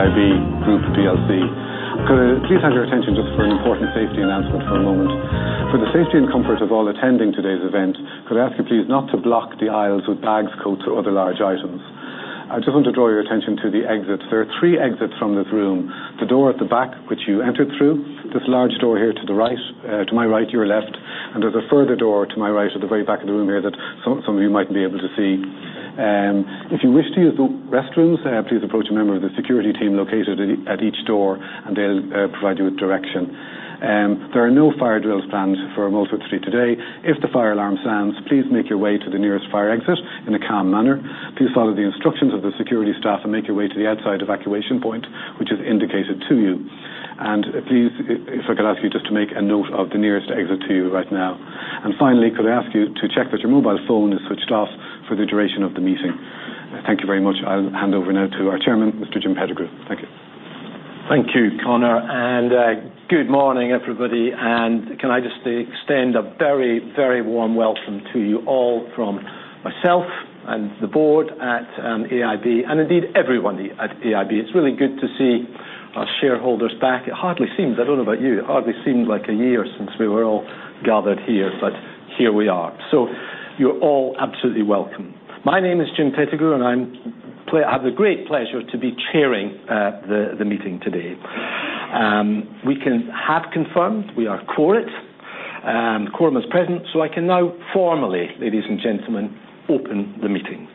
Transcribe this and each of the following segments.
AIB Group PLC. Could I please have your attention just for an important safety announcement for a moment? For the safety and comfort of all attending today's event, could I ask you please not to block the aisles with bags, coats, or other large items. I just want to draw your attention to the exits. There are three exits from this room. The door at the back, which you entered through, this large door here to the right, to my right, your left, and there's a further door to my right at the very back of the room here that some of you might be able to see. If you wish to use the restrooms, please approach a member of the security team located at each door, and they'll provide you with direction. There are no fire drill plans for Molesworth Street today. If the fire alarm sounds, please make your way to the nearest fire exit in a calm manner. Please follow the instructions of the security staff and make your way to the outside evacuation point, which is indicated to you. And please, if I could ask you just to make a note of the nearest exit to you right now. And finally, could I ask you to check that your mobile phone is switched off for the duration of the meeting? Thank you very much. I'll hand over now to our chairman, Mr. Jim Pettigrew. Thank you. Thank you, Conor, and good morning, everybody. Can I just extend a very, very warm welcome to you all from myself and the board at AIB, and indeed, everyone at AIB. It's really good to see our shareholders back. It hardly seems, I don't know about you, it hardly seems like a year since we were all gathered here, but here we are. You're all absolutely welcome. My name is Jim Pettigrew, and I have the great pleasure to be chairing the meeting today. We have confirmed we are quorate, and quorum is present, so I can now formally, ladies and gentlemen, open the meeting.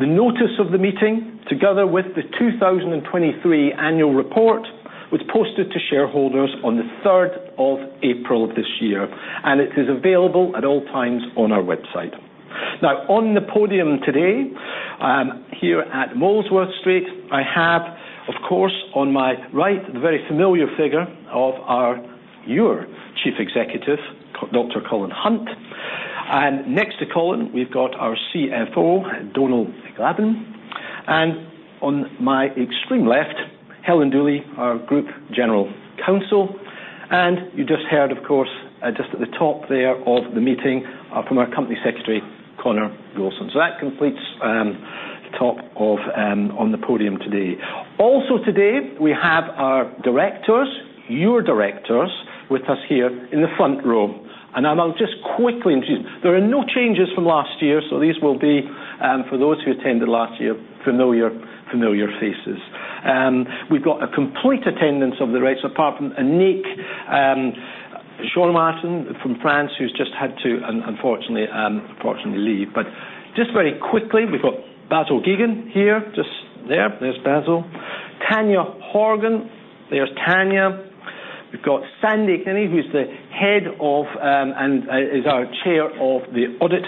The notice of the meeting, together with the 2023 annual report, was posted to shareholders on the third of April this year, and it is available at all times on our website. Now, on the podium today, here at Molesworth Street, I have, of course, on my right, the very familiar figure of our-your Chief Executive, Dr. Colin Hunt. And next to Colin, we've got our CFO, Donal Galvin. And on my extreme left, Helen Dooley, our Group General Counsel. And you just heard, of course, just at the top there of the meeting, from our company secretary, Conor Gouldson. So that completes the top of on the podium today. Also today, we have our directors, your directors, with us here in the front row. And I'll just quickly introduce. There are no changes from last year, so these will be, for those who attended last year, familiar, familiar faces. We've got a complete attendance of the directors, apart from Anik Chaumartin from France, who's just had to unfortunately, fortunately leave. But just very quickly, we've got Basil Geoghegan here, just there. There's Basil. Tanya Horgan. There's Tanya. We've got Sandy Kinney, who's the head of and is our Chair of the Audit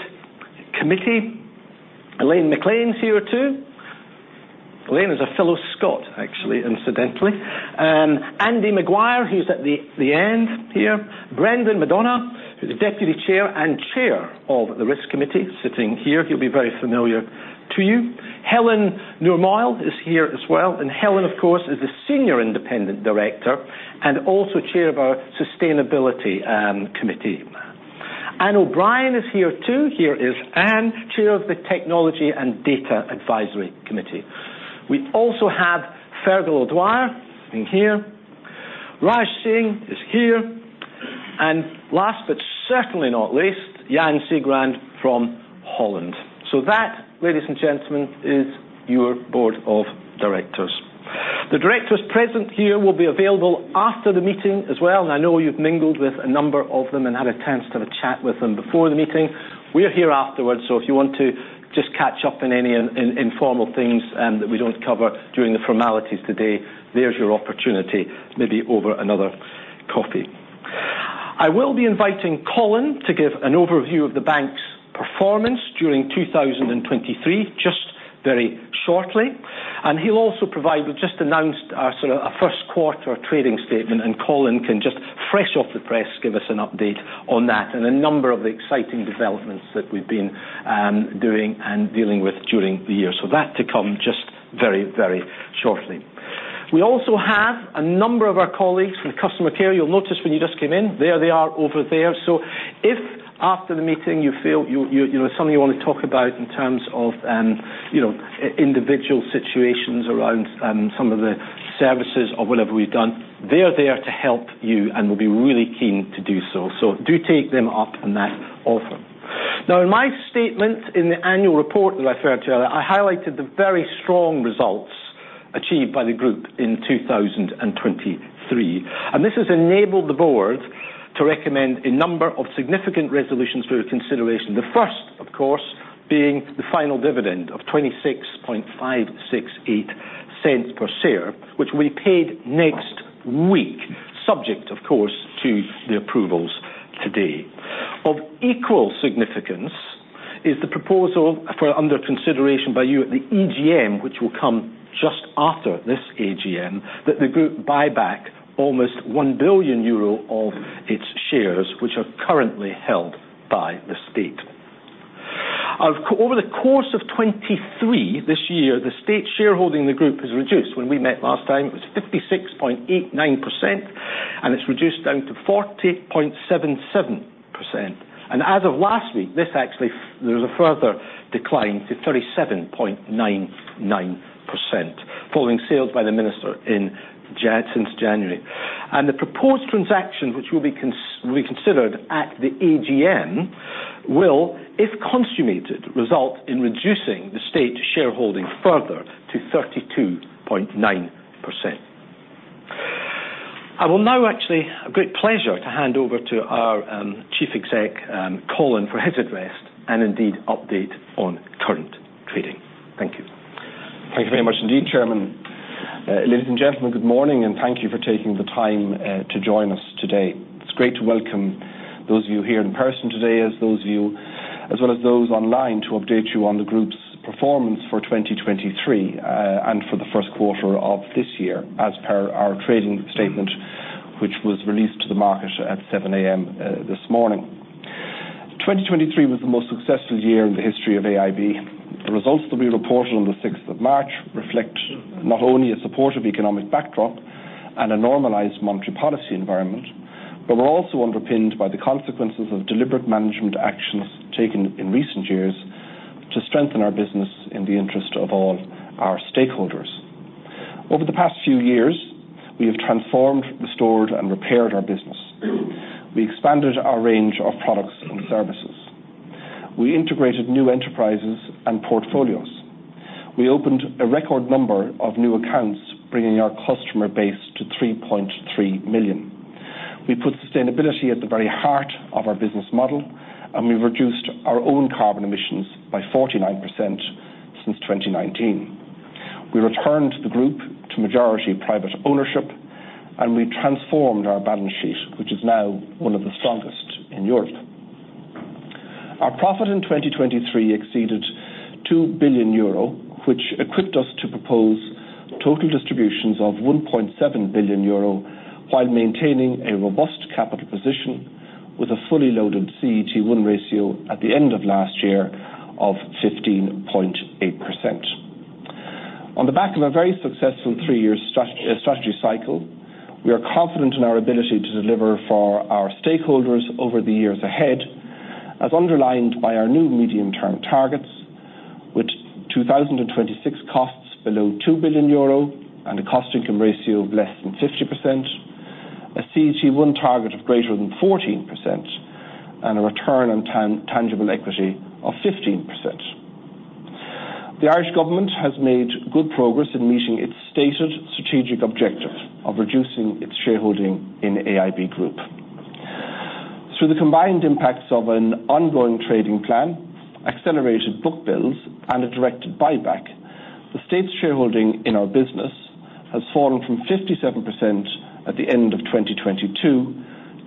Committee. Elaine MacLean is here, too. Elaine is a fellow Scot, actually, incidentally. Andy Maguire, who's at the end here. Brendan McDonagh, who's the Deputy Chair and Chair of the Risk Committee, sitting here. He'll be very familiar to you. Helen Normoyle is here as well, and Helen, of course, is the Senior Independent Director and also Chair of our Sustainability Committee. Ann O'Brien is here, too. Here is Ann, Chair of the Technology and Data Advisory Committee. We also have Fergal O'Dwyer in here. Raj Singh is here. And last, but certainly not least, Jan Sijbrand from Holland. So that, ladies and gentlemen, is your board of directors. The directors present here will be available after the meeting as well, and I know you've mingled with a number of them and had a chance to have a chat with them before the meeting. We are here afterwards, so if you want to just catch up on any informal things that we don't cover during the formalities today, there's your opportunity, maybe over another coffee. I will be inviting Colin to give an overview of the bank's performance during 2023, just very shortly. And he'll also provide, we've just announced our sort of a first quarter trading statement, and Colin can just fresh off the press, give us an update on that and a number of the exciting developments that we've been doing and dealing with during the year. So that to come just very, very shortly. We also have a number of our colleagues from customer care. You'll notice when you just came in, there they are over there. So if after the meeting, you feel you know, something you want to talk about in terms of, you know, individual situations around, some of the services or whatever we've done, they are there to help you and will be really keen to do so. So do take them up on that offer. Now, in my statement in the annual report that I referred to earlier, I highlighted the very strong results achieved by the group in 2023, and this has enabled the board to recommend a number of significant resolutions for your consideration. The first, of course, being the final dividend of 0.26568 per share, which will be paid next week, subject, of course, to the approvals today. Of equal significance is the proposal under consideration by you at the EGM, which will come just after this AGM, that the group buyback almost 1 billion euro of its shares, which are currently held by the state. Of course, over the course of 2023, this year, the state shareholding in the group has reduced. When we met last time, it was 56.89%, and it's reduced down to 40.77%. and as of last week, this actually, there was a further decline to 37.99%, following sales by the minister in January since January. The proposed transaction, which will be considered at the AGM, will, if consummated, result in reducing the state shareholding further to 32.9%. I will now actually, a great pleasure to hand over to our Chief Executive, Colin, for his address, and indeed, update on current trading. Thank you. Thank you very much indeed, Chairman. Ladies and gentlemen, good morning, and thank you for taking the time to join us today. It's great to welcome those of you here in person today, as those of you, as well as those online, to update you on the group's performance for 2023, and for the first quarter of this year, as per our trading statement, which was released to the market at 7:00 A.M. this morning. 2023 was the most successful year in the history of AIB. The results that we reported on the sixth of March reflect not only a supportive economic backdrop and a normalized monetary policy environment, but were also underpinned by the consequences of deliberate management actions taken in recent years to strengthen our business in the interest of all our stakeholders. Over the past few years, we have transformed, restored, and repaired our business. We expanded our range of products and services. We integrated new enterprises and portfolios. We opened a record number of new accounts, bringing our customer base to 3.3 million. We put sustainability at the very heart of our business model, and we reduced our own carbon emissions by 49% since 2019. We returned the group to majority private ownership, and we transformed our balance sheet, which is now one of the strongest in Europe. Our profit in 2023 exceeded 2 billion euro, which equipped us to propose total distributions of 1.7 billion euro, while maintaining a robust capital position with a fully loaded CET1 ratio at the end of last year of 15.8%. On the back of a very successful three-year strategy cycle, we are confident in our ability to deliver for our stakeholders over the years ahead, as underlined by our new medium-term targets, which 2026 costs below 2 billion euro and a cost income ratio of less than 50%, a CET1 target of greater than 14%, and a return on tangible equity of 15%. The Irish government has made good progress in meeting its stated strategic objective of reducing its shareholding in AIB Group. Through the combined impacts of an ongoing trading plan, accelerated buybacks, and a directed buyback, the state's shareholding in our business has fallen from 57% at the end of 2022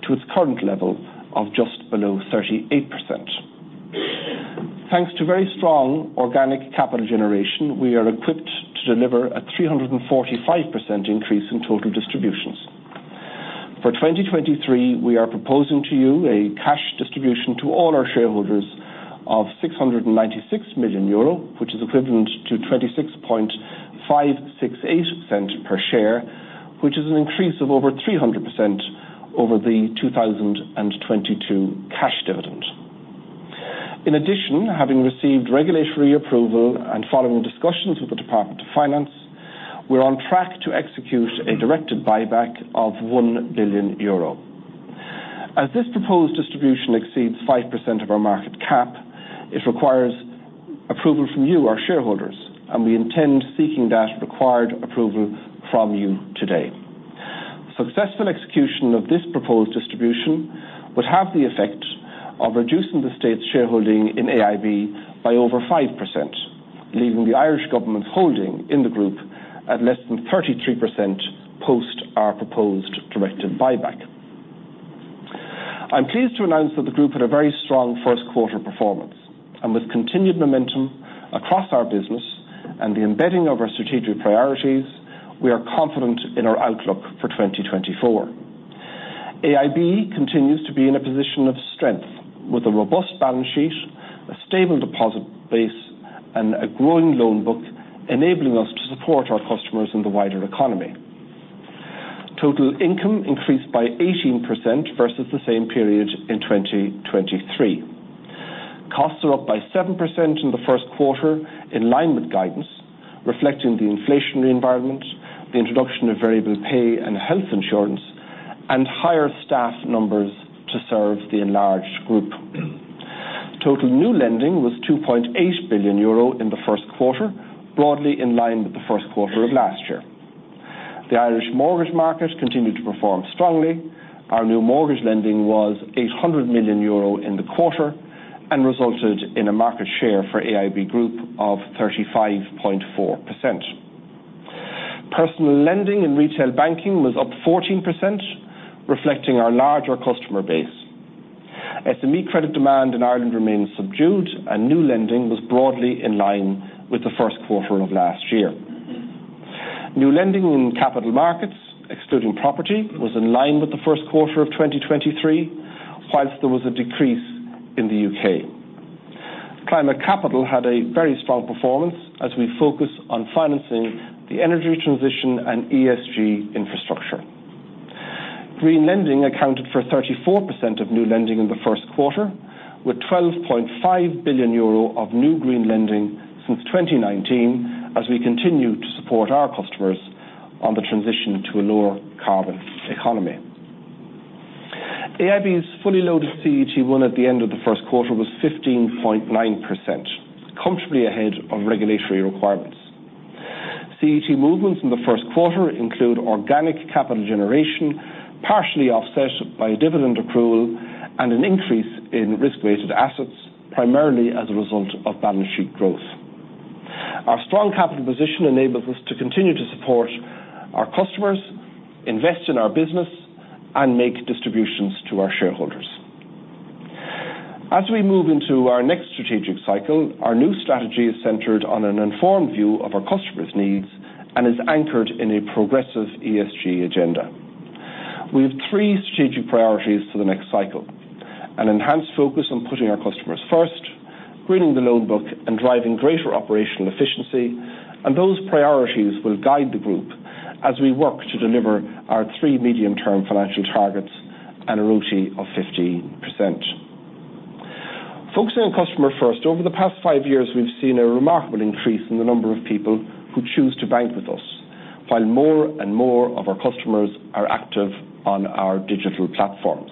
to its current level of just below 38%. Thanks to very strong organic capital generation, we are equipped to deliver a 345% increase in total distributions. For 2023, we are proposing to you a cash distribution to all our shareholders of 696 million euro, which is equivalent to 26.568 cents per share, which is an increase of over 300% over the 2022 cash dividend. In addition, having received regulatory approval and following discussions with the Department of Finance, we're on track to execute a directed buyback of 1 billion euro. As this proposed distribution exceeds 5% of our market cap, it requires approval from you, our shareholders, and we intend seeking that required approval from you today. Successful execution of this proposed distribution would have the effect of reducing the state's shareholding in AIB by over 5%, leaving the Irish government's holding in the group at less than 33% post our proposed Directed Buyback. I'm pleased to announce that the group had a very strong first quarter performance, and with continued momentum across our business and the embedding of our strategic priorities, we are confident in our outlook for 2024. AIB continues to be in a position of strength, with a robust balance sheet, a stable deposit base, and a growing loan book, enabling us to support our customers in the wider economy. Total income increased by 18% versus the same period in 2023. Costs are up by 7% in the first quarter, in line with guidance, reflecting the inflationary environment, the introduction of variable pay and health insurance, and higher staff numbers to serve the enlarged group. Total new lending was 2.8 billion euro in the first quarter, broadly in line with the first quarter of last year. The Irish mortgage market continued to perform strongly. Our new mortgage lending was 800 million euro in the quarter and resulted in a market share for AIB Group of 35.4%. Personal lending and retail banking was up 14%, reflecting our larger customer base. SME credit demand in Ireland remains subdued, and new lending was broadly in line with the first quarter of last year. New lending in capital markets, excluding property, was in line with the first quarter of 2023, while there was a decrease in the UK. Climate Capital had a very strong performance as we focus on financing the energy transition and ESG infrastructure. Green lending accounted for 34% of new lending in the first quarter, with 12.5 billion euro of new green lending since 2019, as we continue to support our customers on the transition to a lower carbon economy. AIB's fully loaded CET1 at the end of the first quarter was 15.9%, comfortably ahead of regulatory requirements. CET1 movements in the first quarter include organic capital generation, partially offset by a dividend accrual and an increase in risk-weighted assets, primarily as a result of balance sheet growth. Our strong capital position enables us to continue to support our customers, invest in our business, and make distributions to our shareholders. As we move into our next strategic cycle, our new strategy is centered on an informed view of our customers' needs and is anchored in a progressive ESG agenda. We have 3 strategic priorities for the next cycle: an enhanced focus on putting our customers first, greening the loan book, and driving greater operational efficiency. Those priorities will guide the group as we work to deliver our 3 medium-term financial targets and a ROTE of 15%. Focusing on customer first, over the past 5 years, we've seen a remarkable increase in the number of people who choose to bank with us, while more and more of our customers are active on our digital platforms.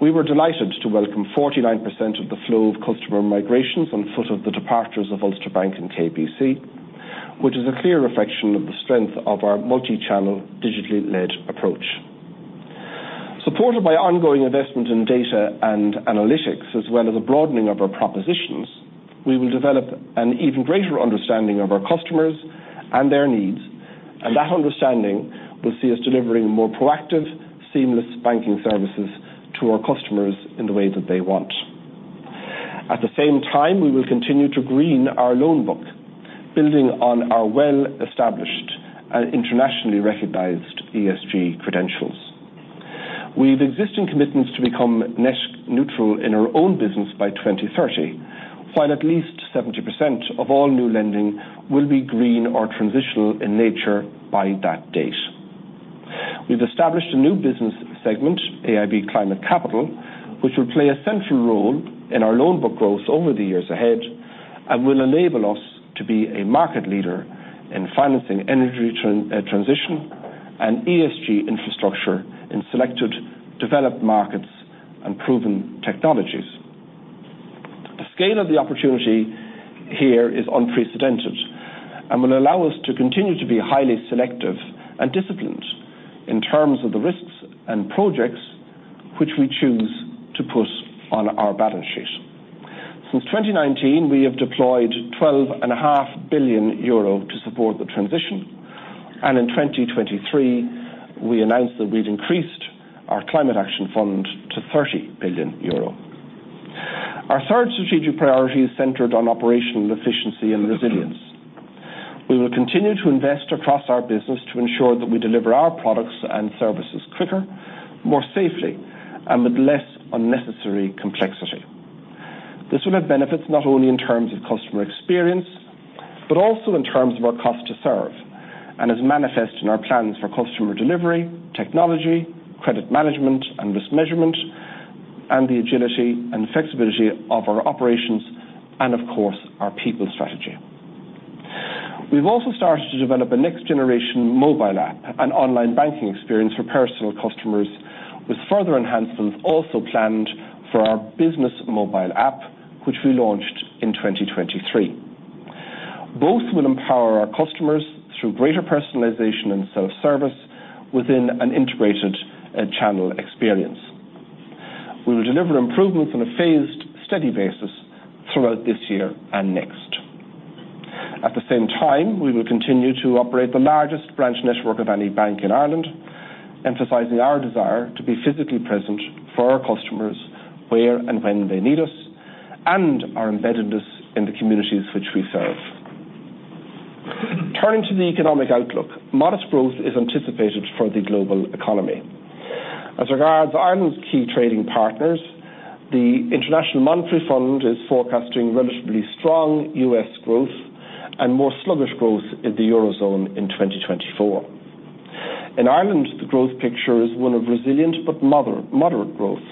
We were delighted to welcome 49% of the flow of customer migrations on foot of the departures of Ulster Bank and KBC, which is a clear reflection of the strength of our multi-channel, digitally-led approach. Supported by ongoing investment in data and analytics, as well as a broadening of our propositions, we will develop an even greater understanding of our customers and their needs, and that understanding will see us delivering more proactive, seamless banking services to our customers in the way that they want. At the same time, we will continue to green our loan book, building on our well-established and internationally recognized ESG credentials. We've existing commitments to become net neutral in our own business by 2030, while at least 70% of all new lending will be green or transitional in nature by that date. We've established a new business segment, AIB Climate Capital, which will play a central role in our loan book growth over the years ahead and will enable us to be a market leader in financing energy transition and ESG infrastructure in selected developed markets and proven technologies. The scale of the opportunity here is unprecedented and will allow us to continue to be highly selective and disciplined in terms of the risks and projects which we choose to put on our balance sheet. Since 2019, we have deployed 12.5 billion euro to support the transition, and in 2023, we announced that we'd increased our climate action fund to 30 billion euro. Our third strategic priority is centered on operational efficiency and resilience. We will continue to invest across our business to ensure that we deliver our products and services quicker, more safely, and with less unnecessary complexity. This will have benefits not only in terms of customer experience, but also in terms of our cost to serve, and is manifest in our plans for customer delivery, technology, credit management, and risk measurement, and the agility and flexibility of our operations, and of course, our people strategy. We've also started to develop a next-generation mobile app and online banking experience for personal customers, with further enhancements also planned for our business mobile app, which we launched in 2023. Both will empower our customers through greater personalization and self-service within an integrated channel experience. We will deliver improvements on a phased, steady basis throughout this year and next. At the same time, we will continue to operate the largest branch network of any bank in Ireland, emphasizing our desire to be physically present for our customers where and when they need us, and our embeddedness in the communities which we serve. Turning to the economic outlook, modest growth is anticipated for the global economy. As regards Ireland's key trading partners, the International Monetary Fund is forecasting relatively strong U.S. growth and more sluggish growth in the Eurozone in 2024. In Ireland, the growth picture is one of resilient but moderate growth.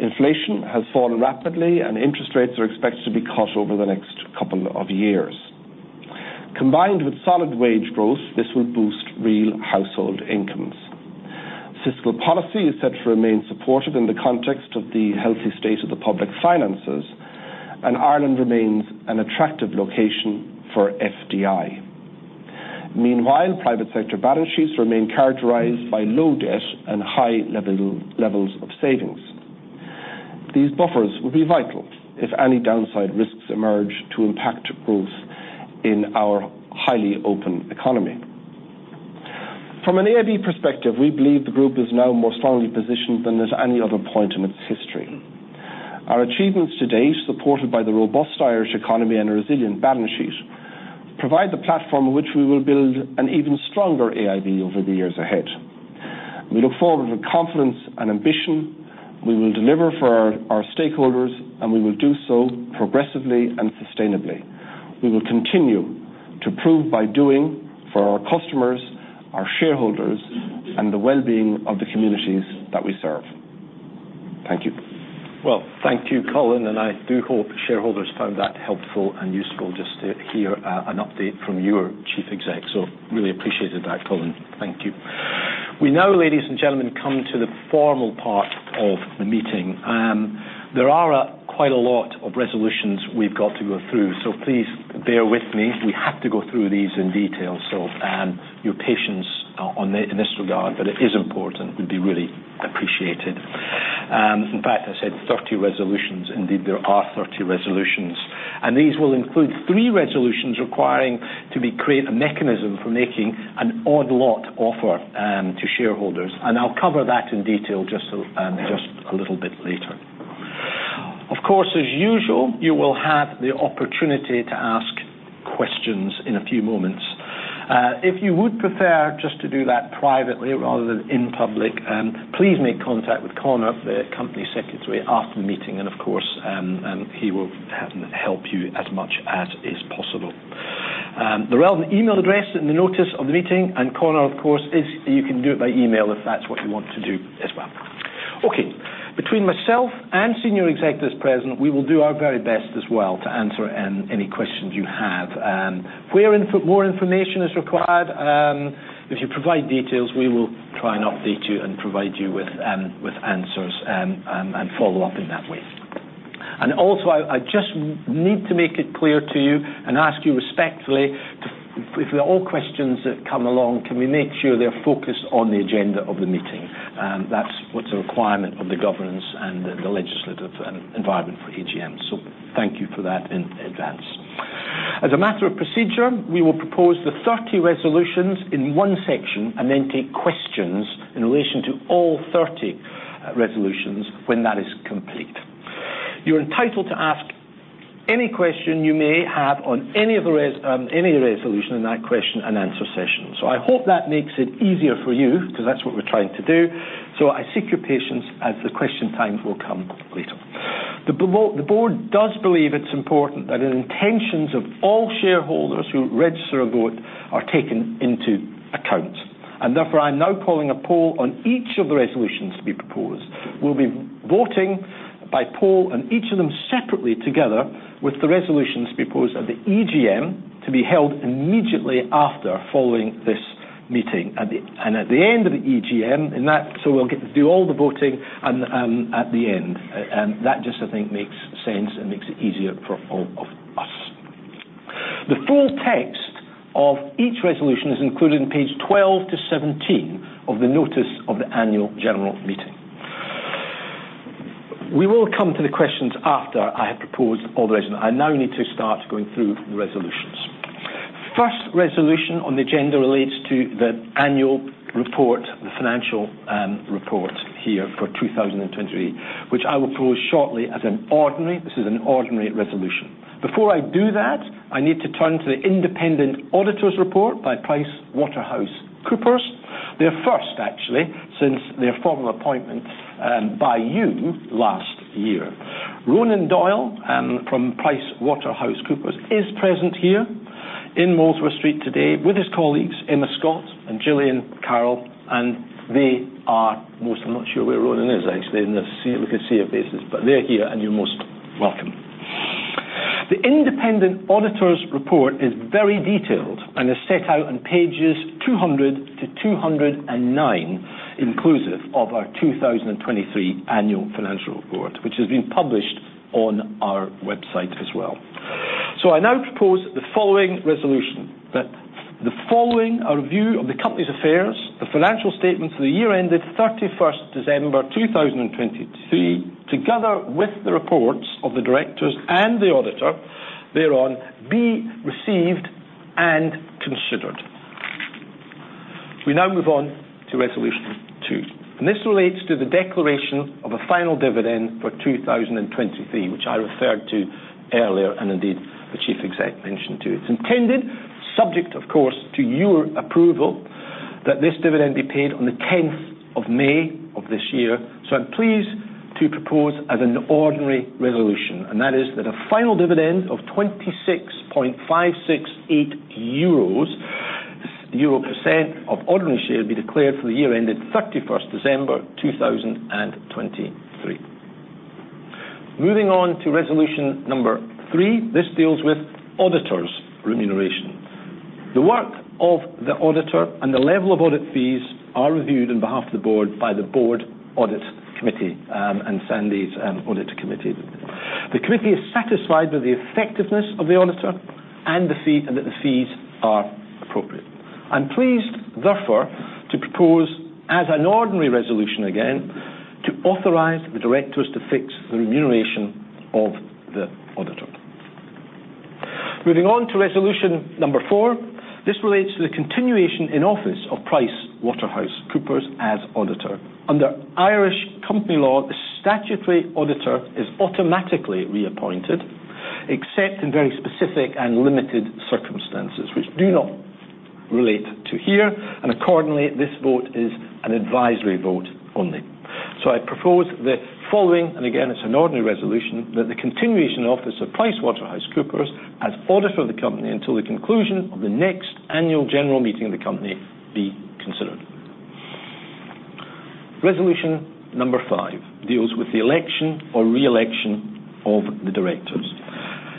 Inflation has fallen rapidly, and interest rates are expected to be cut over the next couple of years. Combined with solid wage growth, this will boost real household incomes. Fiscal policy is set to remain supportive in the context of the healthy state of the public finances, and Ireland remains an attractive location for FDI. Meanwhile, private sector balance sheets remain characterized by low debt and high levels of savings. These buffers will be vital if any downside risks emerge to impact growth in our highly open economy. From an AIB perspective, we believe the group is now more strongly positioned than at any other point in its history. Our achievements to date, supported by the robust Irish economy and a resilient balance sheet, provide the platform on which we will build an even stronger AIB over the years ahead. We look forward with confidence and ambition. We will deliver for our, our stakeholders, and we will do so progressively and sustainably. We will continue to prove by doing for our customers, our shareholders, and the well-being of the communities that we serve. Thank you. Well, thank you, Colin, and I do hope shareholders found that helpful and useful just to hear an update from you, our chief exec. So really appreciated that, Colin. Thank you. We now, ladies and gentlemen, come to the formal part of the meeting. There are quite a lot of resolutions we've got to go through, so please bear with me. We have to go through these in detail, so your patience in this regard, but it is important, would be really appreciated. In fact, I said 30 resolutions. Indeed, there are 30 resolutions, and these will include three resolutions requiring to create a mechanism for making an odd-lot offer to shareholders, and I'll cover that in detail just a little bit later. Of course, as usual, you will have the opportunity to ask questions in a few moments. If you would prefer just to do that privately rather than in public, please make contact with Conor, the company secretary, after the meeting, and of course, he will help you as much as is possible. The relevant email address in the notice of the meeting, and Conor, of course, you can do it by email if that's what you want to do as well. Okay. Between myself and senior executives present, we will do our very best as well to answer any questions you have. Where more information is required, if you provide details, we will try and update you and provide you with answers, and follow up in that way. Also, I just need to make it clear to you and ask you respectfully, with all questions that come along, can we make sure they're focused on the agenda of the meeting? And that's what's a requirement of the governance and the legislative environment for AGM. So thank you for that in advance. As a matter of procedure, we will propose the 30 resolutions in one section and then take questions in relation to all 30 resolutions when that is complete. You're entitled to ask any question you may have on any resolution in that question and answer session. So I hope that makes it easier for you, 'cause that's what we're trying to do. So I seek your patience as the question time will come later. The board does believe it's important that the intentions of all shareholders who register a vote are taken into account, and therefore, I'm now calling a poll on each of the resolutions to be proposed. We'll be voting by poll on each of them separately, together with the resolutions proposed at the EGM, to be held immediately after following this meeting. And at the end of the EGM, and that, so we'll get to do all the voting at the end. And that just, I think, makes sense and makes it easier for all of us. The full text of each resolution is included in page 12 to 17 of the notice of the Annual General Meeting. We will come to the questions after I have proposed all the resolutions. I now need to start going through the resolutions. First resolution on the agenda relates to the annual report, the financial, report here for 2023, which I will propose shortly as an ordinary, this is an ordinary resolution. Before I do that, I need to turn to the independent auditors' report by PricewaterhouseCoopers. Their first, actually, since their formal appointment, by you last year. Ronan Doyle, from PricewaterhouseCoopers, is present here in Molesworth Street today with his colleagues, Emma Scott and Gillian Carroll, and they are most- I'm not sure where Ronan is, actually, in the sea, we can see your faces, but they're here, and you're most welcome. The independent auditors' report is very detailed and is set out on pages 200 to 209, inclusive of our 2023 annual financial report, which has been published on our website as well. I now propose the following resolution: That the following are a view of the company's affairs, the financial statements for the year ended 31st December 2023, together with the reports of the directors and the auditor thereon, be received and considered. We now move on to resolution two, and this relates to the declaration of a final dividend for 2023, which I referred to earlier, and indeed, the chief exec mentioned, too. It's intended, subject, of course, to your approval, that this dividend be paid on the 10th of May of this year. I'm pleased to propose as an ordinary resolution, and that is that a final dividend of 0.26568 euros per ordinary share be declared for the year ended 31 December 2023. Moving on to resolution number 3, this deals with auditors' remuneration. The work of the auditor and the level of audit fees are reviewed on behalf of the board by the board audit committee and Sandy's audit committee. The committee is satisfied with the effectiveness of the auditor and the fee, and that the fees are appropriate. I'm pleased, therefore, to propose, as an ordinary resolution again, to authorize the directors to fix the remuneration of the auditor. Moving on to resolution number 4. This relates to the continuation in office of PricewaterhouseCoopers as auditor. Under Irish company law, the statutory auditor is automatically reappointed. except in very specific and limited circumstances, which do not relate to here, and accordingly, this vote is an advisory vote only. So I propose the following, and again, it's an ordinary resolution, that the continuation in office of PricewaterhouseCoopers as auditor of the company until the conclusion of the next annual general meeting of the company be considered. Resolution number five deals with the election or re-election of the directors.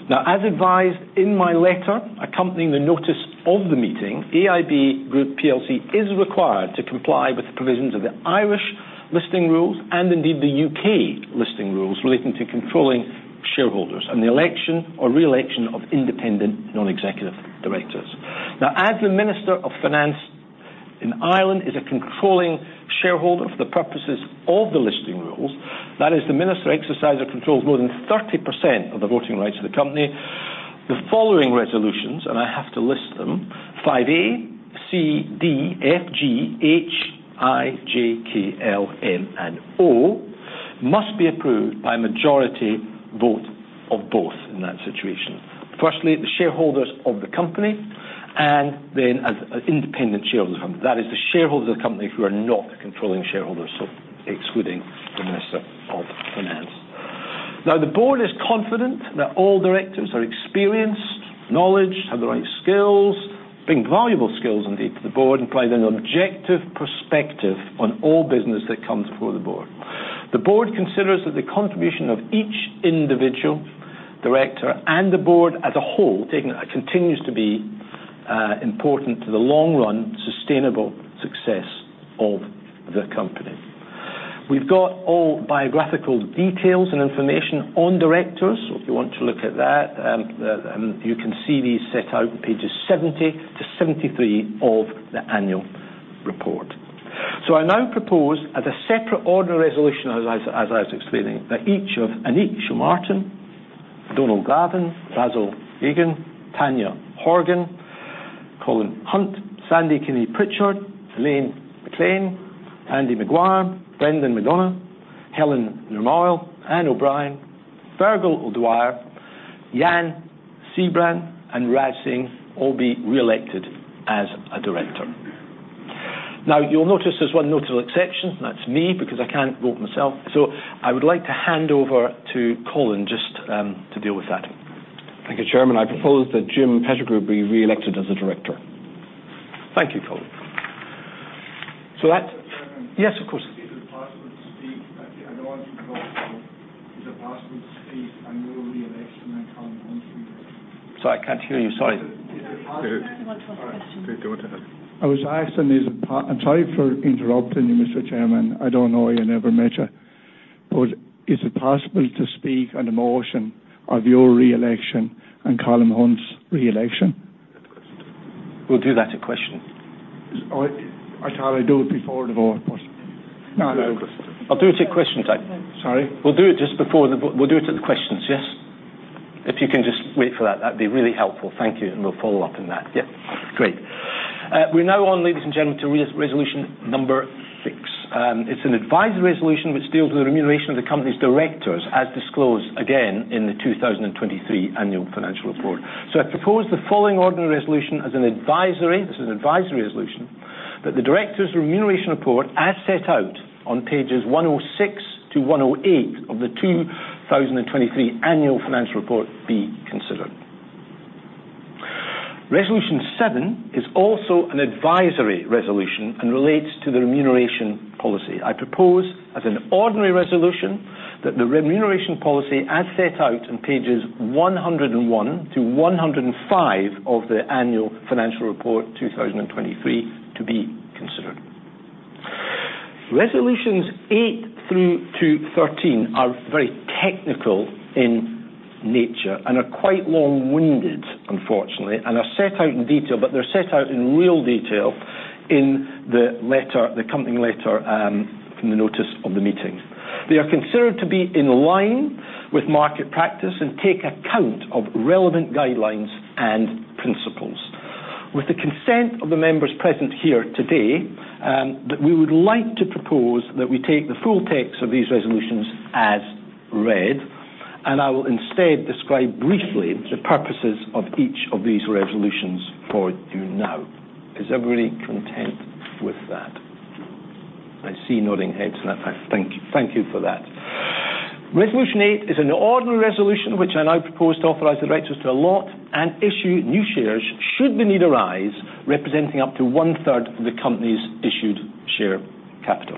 Now, as advised in my letter, accompanying the notice of the meeting, AIB Group plc is required to comply with the provisions of the Irish listing rules, and indeed, the UK listing rules relating to controlling shareholders, and the election or re-election of independent non-executive directors. Now, as the Minister of Finance in Ireland is a controlling shareholder for the purposes of the listing rules, that is, the minister exercises control over more than 30% of the voting rights of the company, the following resolutions, and I have to list them: 5A, C, D, F, G, H, I, J, K, L, M, and O, must be approved by a majority vote of both in that situation. Firstly, the shareholders of the company, and then as independent shareholders of the company. That is the shareholders of the company who are not controlling shareholders, so excluding the Minister of Finance. Now, the board is confident that all directors are experienced, knowledgeable, have the right skills, bring valuable skills, indeed, to the board, and provide an objective perspective on all business that comes before the board. The board considers that the contribution of each individual director and the board as a whole, taking... continues to be important to the long run, sustainable success of the company. We've got all biographical details and information on directors. So if you want to look at that, you can see these set out in pages 70 to 73 of the annual report. So I now propose as a separate order resolution, as I was explaining, that each of Anik Chaumartin, Donal Galvin, Basil Geoghegan, Tanya Horgan, Colin Hunt, Sandy Kinney Pritchard, Elaine MacLean, Andy Maguire, Brendan McDonagh, Helen Normoyle, Ann O'Brien, Fergal O'Dwyer, Jan Sijbrand, and Raj Singh all be re-elected as a director. Now, you'll notice there's one notable exception, and that's me, because I can't vote myself. So I would like to hand over to Colin just to deal with that. Thank you, Chairman. I propose that Jim Pettigrew be re-elected as a director. Thank you, Colin. So that. Chairman? Yes, of course. Is it possible to speak? I don't want to. Is it possible to speak on your re-election and Colin Hunt's? Sorry, I can't hear you. Sorry. He wants to ask a question. Go on ahead. I was asking, is it possible? I'm sorry for interrupting you, Mr. Chairman. I don't know you, never met you. But is it possible to speak on the motion of your re-election and Colin Hunt's re-election? We'll do that to question. I thought I'd do it before the vote, but- I'll do it to question time. Sorry? We'll do it just before the vote. We'll do it at the questions, yes? If you can just wait for that, that'd be really helpful. Thank you, and we'll follow up on that. Yeah. Great. We're now on, ladies and gentlemen, to resolution number 6. It's an advisory resolution which deals with the remuneration of the company's directors, as disclosed again in the 2023 annual financial report. So I propose the following ordinary resolution as an advisory, this is an advisory resolution, that the directors' remuneration report, as set out on pages 106 to 108 of the 2023 annual financial report, be considered. Resolution 7 is also an advisory resolution and relates to the remuneration policy. I propose, as an ordinary resolution, that the remuneration policy, as set out on pages 101 to 105 of the annual financial report, 2023, to be considered. Resolutions 8 through to 13 are very technical in nature and are quite long-winded, unfortunately, and are set out in detail, but they're set out in real detail in the letter, the accompanying letter, from the notice of the meeting. They are considered to be in line with market practice and take account of relevant guidelines and principles. With the consent of the members present here today, that we would like to propose that we take the full text of these resolutions as read, and I will instead describe briefly the purposes of each of these resolutions for you now. Is everybody content with that? I see nodding heads, and I thank you, thank you for that. Resolution 8 is an ordinary resolution, which I now propose to authorize the directors to allot and issue new shares should the need arise, representing up to one-third of the company's issued share capital.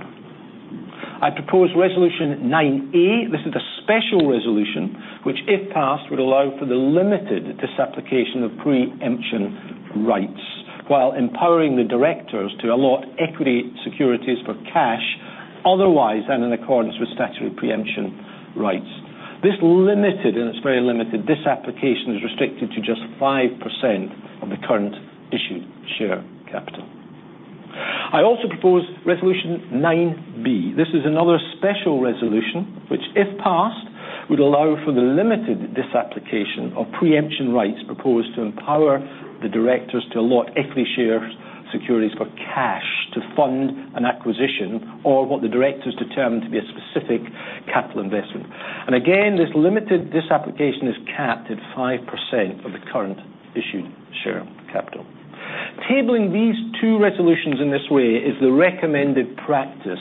I propose resolution 9A. This is a special resolution, which, if passed, would allow for the limited disapplication of pre-emption rights while empowering the directors to allot equity securities for cash, otherwise, and in accordance with statutory pre-emption rights. This limited, and it's very limited, disapplication is restricted to just 5% of the current issued share capital. I also propose resolution 9B. This is another special resolution, which, if passed, would allow for the limited disapplication of pre-emption rights proposed to empower the directors to allot equity shares-... securities for cash to fund an acquisition or what the directors determine to be a specific capital investment. And again, this limited, this application is capped at 5% of the current issued share capital. Tablings these two resolutions in this way is the recommended practice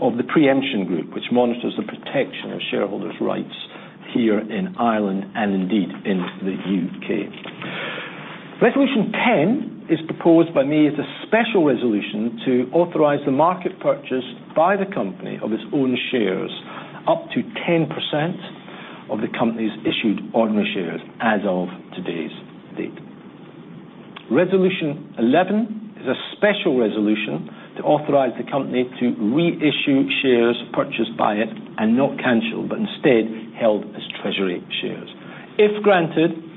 of the Pre-Emption Group, which monitors the protection of shareholders' rights here in Ireland and indeed, in the U.K. Resolution 10 is proposed by me as a special resolution to authorize the market purchase by the company of its own shares, up to 10% of the company's issued ordinary shares as of today's date. Resolution 11 is a special resolution to authorize the company to reissue shares purchased by it and not canceled, but instead, held as treasury shares. If granted,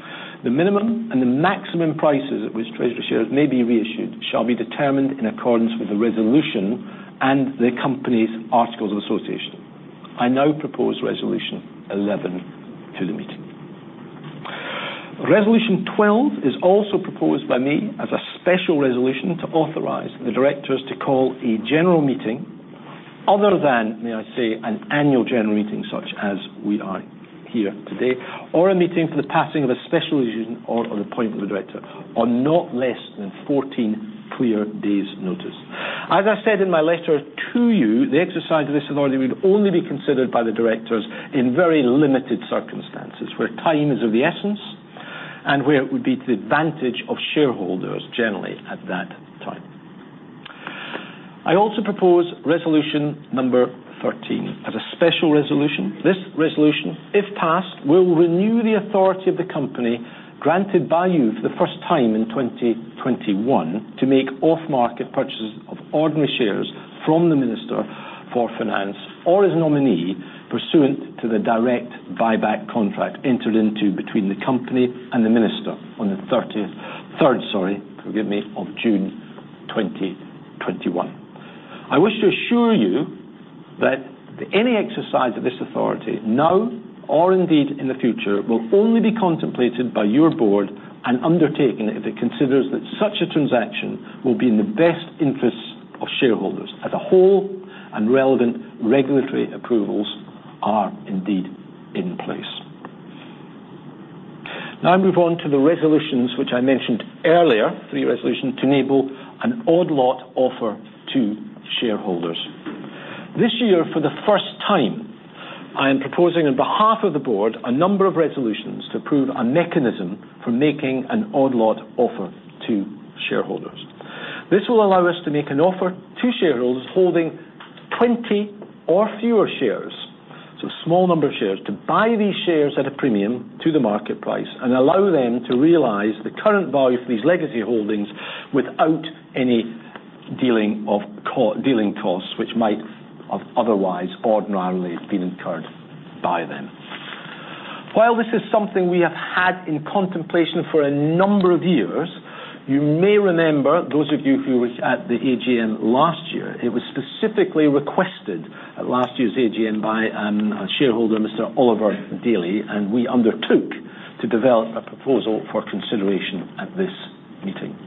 the minimum and the maximum prices at which treasury shares may be reissued shall be determined in accordance with the resolution and the company's articles of association. I now propose Resolution 11 to the meeting. Resolution 12 is also proposed by me as a special resolution to authorize the directors to call a general meeting other than, may I say, an annual general meeting, such as we are here today, or a meeting for the passing of a special resolution or of appointment of a director on not less than 14 clear days' notice. As I said in my letter to you, the exercise of this authority would only be considered by the directors in very limited circumstances, where time is of the essence and where it would be to the advantage of shareholders generally at that time. I also propose Resolution 13 as a special resolution. This resolution, if passed, will renew the authority of the company, granted by you for the first time in 2021, to make off-market purchases of ordinary shares from the Minister for Finance or his nominee, pursuant to the Directed Buyback contract entered into between the company and the minister on the third, sorry, forgive me, of June 2021. I wish to assure you that any exercise of this authority, now or indeed in the future, will only be contemplated by your board and undertaken if it considers that such a transaction will be in the best interests of shareholders as a whole, and relevant regulatory approvals are indeed in place. Now I move on to the resolutions, which I mentioned earlier, Resolution three, to enable an odd-lot offer to shareholders. This year, for the first time, I am proposing on behalf of the board, a number of resolutions to approve a mechanism for making an odd-lot offer to shareholders. This will allow us to make an offer to shareholders holding 20 or fewer shares, so small number of shares, to buy these shares at a premium to the market price and allow them to realize the current value for these legacy holdings without any dealing or co-dealing costs, which might have otherwise ordinarily been incurred by them. While this is something we have had in contemplation for a number of years, you may remember, those of you who were at the AGM last year, it was specifically requested at last year's AGM by a shareholder, Mr. Oliver Daly, and we undertook to develop a proposal for consideration at this meeting.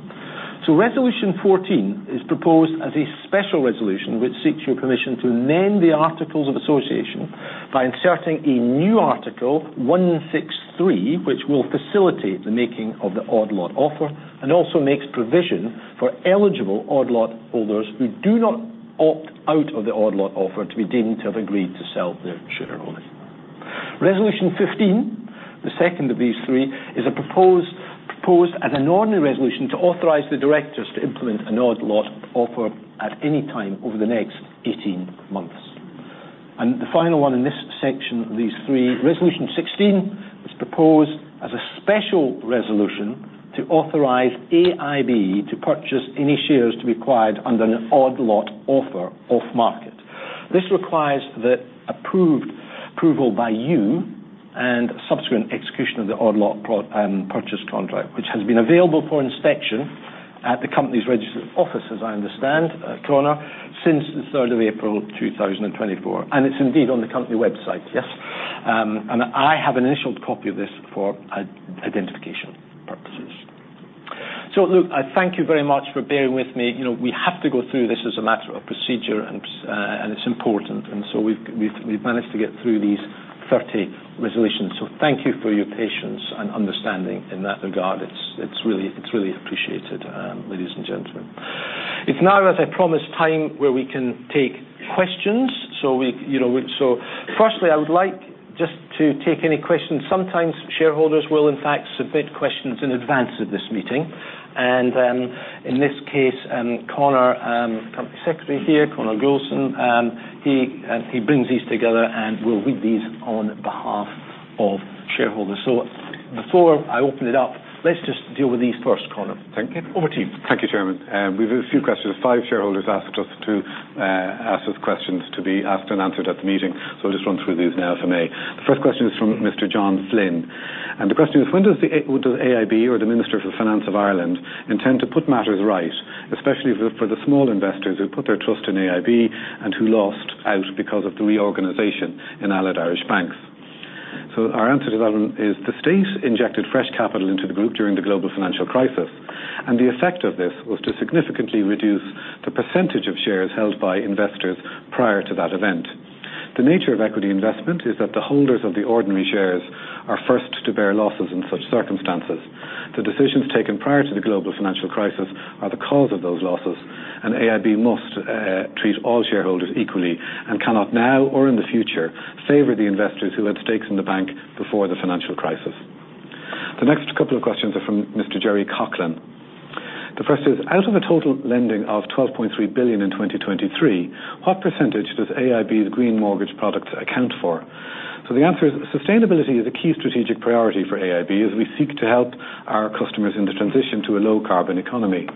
So Resolution 14 is proposed as a special resolution, which seeks your permission to amend the articles of association by inserting a new Article 163, which will facilitate the making of the odd-lot offer, and also makes provision for eligible odd-lot holders who do not opt out of the odd-lot offer to be deemed to have agreed to sell their shareholding. Resolution 15, the second of these three, is proposed as an ordinary resolution to authorize the directors to implement an odd-lot offer at any time over the next 18 months. The final one in this section of these three, Resolution 16, is proposed as a special resolution to authorize AIB to purchase any shares to be acquired under an odd-lot offer off market. This requires the approval by you and subsequent execution of the odd-lot purchase contract, which has been available for inspection at the company's registered office, as I understand, Conor, since the third of April 2024, and it's indeed on the company website, yes? And I have an initial copy of this for identification purposes. So look, I thank you very much for bearing with me. You know, we have to go through this as a matter of procedure, and it's important, and so we've managed to get through these 30 resolutions. So thank you for your patience and understanding in that regard. It's really appreciated, ladies and gentlemen. It's now, as I promised, time where we can take questions. So, you know, firstly, I would like just to take any questions. Sometimes shareholders will, in fact, submit questions in advance of this meeting, and, in this case, Conor, company secretary here, Conor Gouldson, he brings these together, and we'll read these on behalf of shareholders. So before I open it up, let's just deal with these first, Conor. Thank you. Over to you. Thank you, Chairman. We've a few questions. Five shareholders asked us to ask us questions to be asked and answered at the meeting, so I'll just run through these now, if I may. The first question is from Mr. John Flynn, and the question is: Will the AIB or the Minister for Finance of Ireland intend to put matters right, especially for the small investors who put their trust in AIB and who lost out because of the reorganization in Allied Irish Banks? So our answer to that one is, the state injected fresh capital into the group during the global financial crisis, and the effect of this was to significantly reduce the percentage of shares held by investors prior to that event. The nature of equity investment is that the holders of the ordinary shares are first to bear losses in such circumstances. The decisions taken prior to the global financial crisis are the cause of those losses, and AIB must treat all shareholders equally and cannot now or in the future, favor the investors who had stakes in the bank before the financial crisis. The next couple of questions are from Mr. Gerry Coughlan. The first is: Out of a total lending of 12.3 billion in 2023, what percentage does AIB's green mortgage product account for? So the answer is, sustainability is a key strategic priority for AIB, as we seek to help our customers in the transition to a low-carbon economy.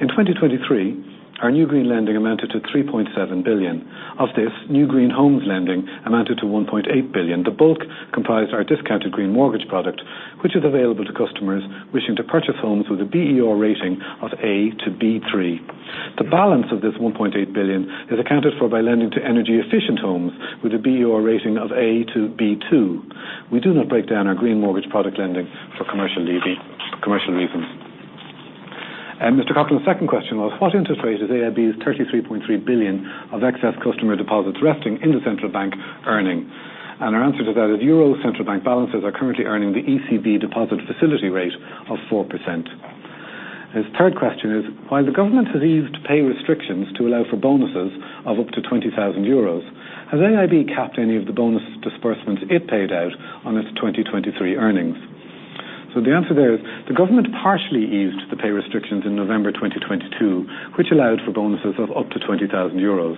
In 2023, our new green lending amounted to 3.7 billion. Of this, new green homes lending amounted to 1.8 billion. The bulk comprised our discounted green mortgage product, which is available to customers wishing to purchase homes with a BER rating of A to B3. The balance of this 1.8 billion is accounted for by lending to energy-efficient homes with a BER rating of A to B2. We do not break down our green mortgage product lending for commercial reasons. And Mr. Coughlan's second question was: What interest rate is AIB's 33.3 billion of excess customer deposits resting in the Central Bank earning? And our answer to that is, European Central Bank balances are currently earning the ECB deposit facility rate of 4%. His third question is: While the government has eased pay restrictions to allow for bonuses of up to 20,000 euros, has AIB capped any of the bonus disbursements it paid out on its 2023 earnings? So the answer there is, the government partially eased the pay restrictions in November 2022, which allowed for bonuses of up to 20,000 euros.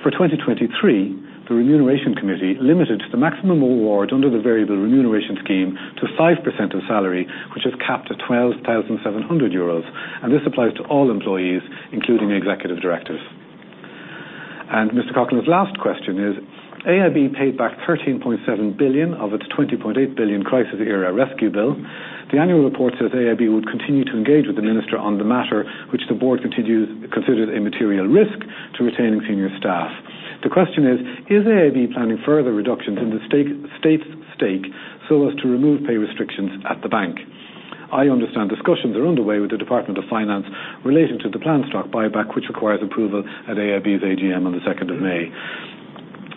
For 2023, the Remuneration Committee limited the maximum award under the variable remuneration scheme to 5% of salary, which is capped at EUR 12,700, and this applies to all employees, including executive directors. And Mr. Coughlan's last question is: AIB paid back 13.7 billion of its 20.8 billion crisis-era rescue bill. The annual report says AIB would continue to engage with the minister on the matter, which the board considers a material risk to retaining senior staff. The question is, is AIB planning further reductions in the state's stake so as to remove pay restrictions at the bank? I understand discussions are underway with the Department of Finance relating to the planned stock buyback, which requires approval at AIB's AGM on the second of May.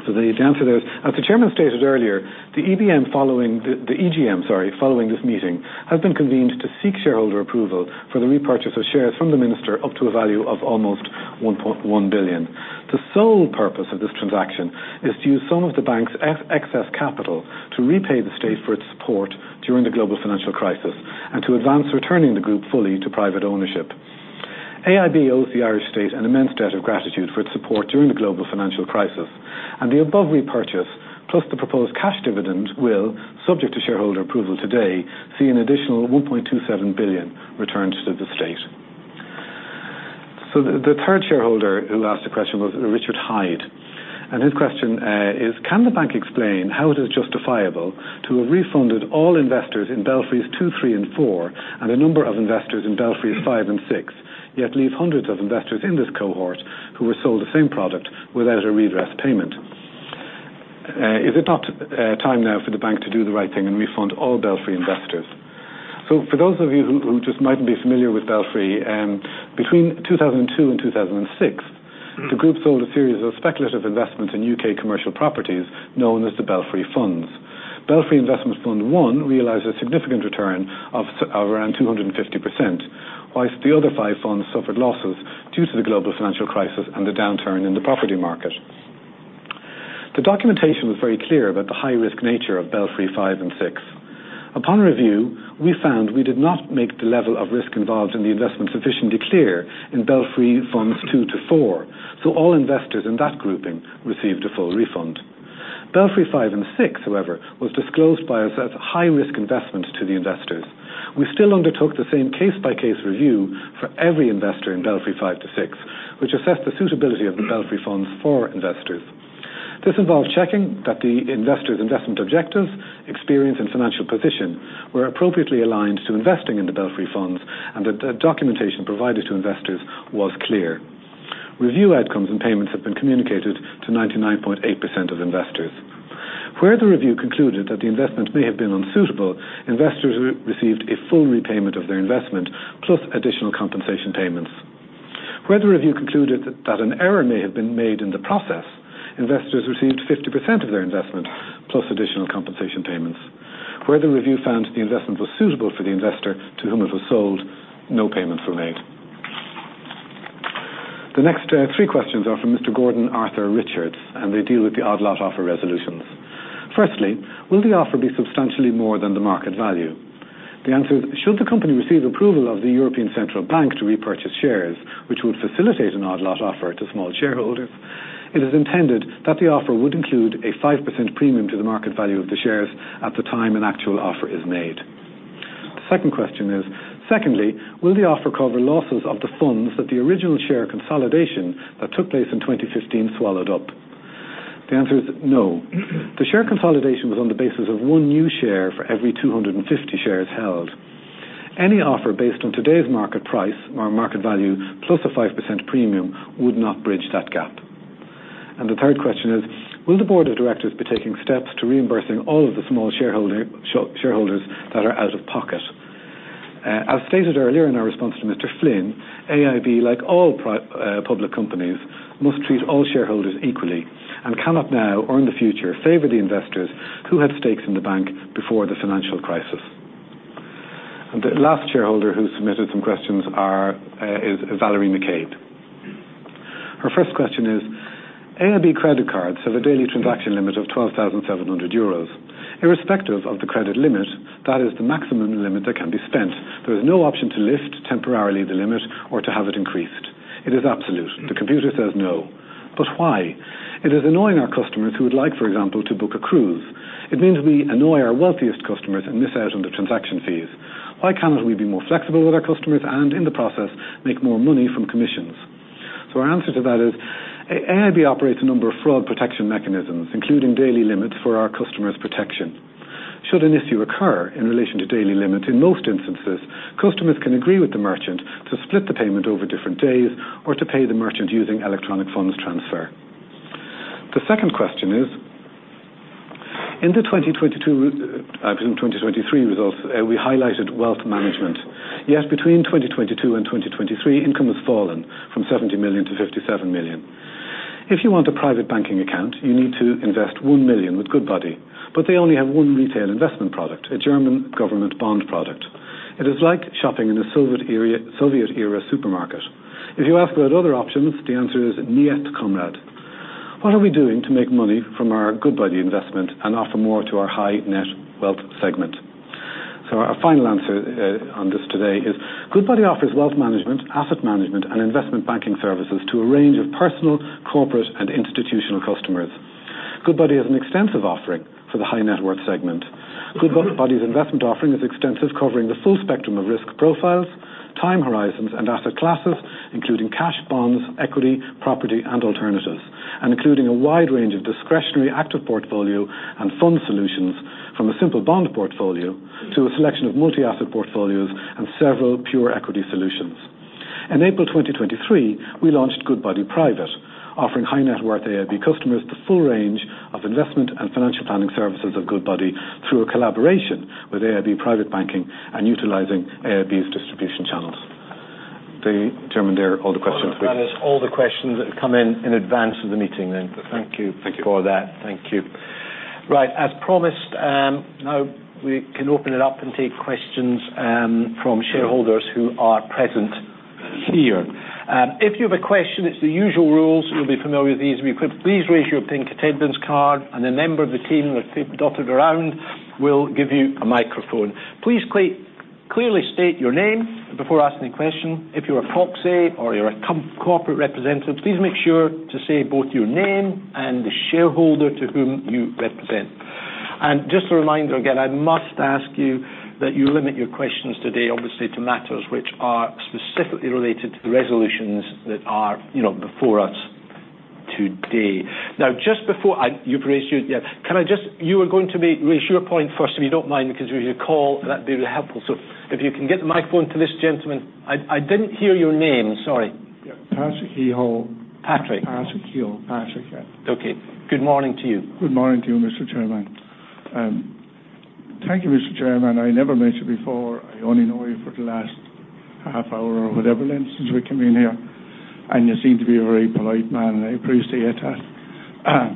So the answer there is, as the chairman stated earlier, the EGM following this meeting has been convened to seek shareholder approval for the repurchase of shares from the minister up to a value of almost 1.1 billion. The sole purpose of this transaction is to use some of the bank's excess capital to repay the state for its support during the global financial crisis and to advance returning the group fully to private ownership. AIB owes the Irish state an immense debt of gratitude for its support during the global financial crisis, and the above repurchase, plus the proposed cash dividend, will, subject to shareholder approval today, see an additional 1.27 billion returned to the state. So the, the third shareholder who asked a question was, Richard Hynds, and his question, is: Can the bank explain how it is justifiable to have refunded all investors in Belfry 2, 3, and 4, and a number of investors in Belfry 5 and 6, yet leave hundreds of investors in this cohort who were sold the same product without a redress payment? Is it not, time now for the bank to do the right thing and refund all Belfry investors? So for those of you who just mightn't be familiar with Belfry, between 2002 and 2006, the group sold a series of speculative investments in UK commercial properties known as the Belfry Funds. Belfry Fund 1 realized a significant return of around 250%, while the other 5 funds suffered losses due to the global financial crisis and the downturn in the property market. The documentation was very clear about the high-risk nature of Belfry 5 and 6. Upon review, we found we did not make the level of risk involved in the investment sufficiently clear in Belfry Funds 2 to 4, so all investors in that grouping received a full refund. Belfry 5 and 6, however, was disclosed by us as a high-risk investment to the investors. We still undertook the same case-by-case review for every investor in Belfry 5 to 6, which assessed the suitability of the Belfry funds for investors. This involved checking that the investor's investment objectives, experience, and financial position were appropriately aligned to investing in the Belfry funds and that the documentation provided to investors was clear. Review outcomes and payments have been communicated to 99.8% of investors. Where the review concluded that the investment may have been unsuitable, investors re-received a full repayment of their investment plus additional compensation payments. Where the review concluded that an error may have been made in the process, investors received 50% of their investment, plus additional compensation payments. Where the review found the investment was suitable for the investor to whom it was sold, no payments were made. The next three questions are from Mr. Gordon Arthur Richards, and they deal with the odd-lot offer resolutions. Firstly, will the offer be substantially more than the market value? The answer is, should the company receive approval of the European Central Bank to repurchase shares, which would facilitate an odd-lot offer to small shareholders, it is intended that the offer would include a 5% premium to the market value of the shares at the time an actual offer is made. The second question is: Secondly, will the offer cover losses of the funds that the original share consolidation that took place in 2015 swallowed up? The answer is no. The share consolidation was on the basis of one new share for every 250 shares held. Any offer based on today's market price or market value, plus a 5% premium, would not bridge that gap. The third question is: Will the board of directors be taking steps to reimbursing all of the small shareholder, shareholders that are out of pocket? As stated earlier in our response to Mr. Flynn, AIB, like all public companies, must treat all shareholders equally and cannot now or in the future, favor the investors who had stakes in the bank before the financial crisis. The last shareholder who submitted some questions are, is, Valerie McCabe. Her first question is: AIB credit cards have a daily transaction limit of 12,700 euros. Irrespective of the credit limit, that is the maximum limit that can be spent. There is no option to lift temporarily the limit or to have it increased. It is absolute. The computer says no, but why? It is annoying our customers who would like, for example, to book a cruise. It means we annoy our wealthiest customers and miss out on the transaction fees. Why cannot we be more flexible with our customers and, in the process, make more money from commissions? So our answer to that is, AIB operates a number of fraud protection mechanisms, including daily limits for our customers' protection. Should an issue occur in relation to daily limits, in most instances, customers can agree with the merchant to split the payment over different days or to pay the merchant using electronic funds transfer. The second question is: In the 2022, actually in 2023 results, we highlighted wealth management. Yet between 2022 and 2023, income has fallen from 70 million to 57 million. If you want a private banking account, you need to invest 1 million with Goodbody, but they only have one retail investment product, a German government bond product. It is like shopping in a Soviet area, Soviet-era supermarket. If you ask about other options, the answer is: Niet, comrade. What are we doing to make money from our Goodbody investment and offer more to our high net wealth segment? So our final answer on this today is: Goodbody offers wealth management, asset management, and investment banking services to a range of personal, corporate, and institutional customers. Goodbody has an extensive offering for the high net worth segment. Goodbody's investment offering is extensive, covering the full spectrum of risk profiles, time horizons, and asset classes, including cash, bonds, equity, property, and alternatives, and including a wide range of discretionary active portfolio and fund solutions, from a simple bond portfolio to a selection of multi-asset portfolios and several pure equity solutions. In April 2023, we launched Goodbody Private, offering high net worth AIB customers the full range of investment and financial planning services of Goodbody through a collaboration with AIB Private Banking and utilizing AIB's distribution channels. The Chairman, they are all the questions we. That is all the questions that have come in, in advance of the meeting then. Okay. Thank you. Thank you. For that. Thank you. Right. As promised, now we can open it up and take questions from shareholders who are present here. If you have a question, it's the usual rules. You'll be familiar with these. Please raise your pink attendance card, and a member of the team, with people dotted around, will give you a microphone. Please clearly state your name before asking a question. If you're a proxy or you're a corporate representative, please make sure to say both your name and the shareholder to whom you represent. And just a reminder, again, I must ask you that you limit your questions today, obviously, to matters which are specifically related to the resolutions that are, you know, before us today. Now, just before I. You've raised your, yeah. Can I just? You were going to make, raise your point first, if you don't mind, because we should call, that'd be helpful. So if you can get the microphone to this gentleman. I didn't hear your name, sorry. Yeah. Patrick Kehoe. Patrick. Patrick Kehoe. Patrick, yeah. Okay. Good morning to you. Good morning to you, Mr. Chairman. Thank you, Mr. Chairman. I never met you before. I only know you for the last half hour or whatever then, since we came in here, and you seem to be a very polite man, and I appreciate that.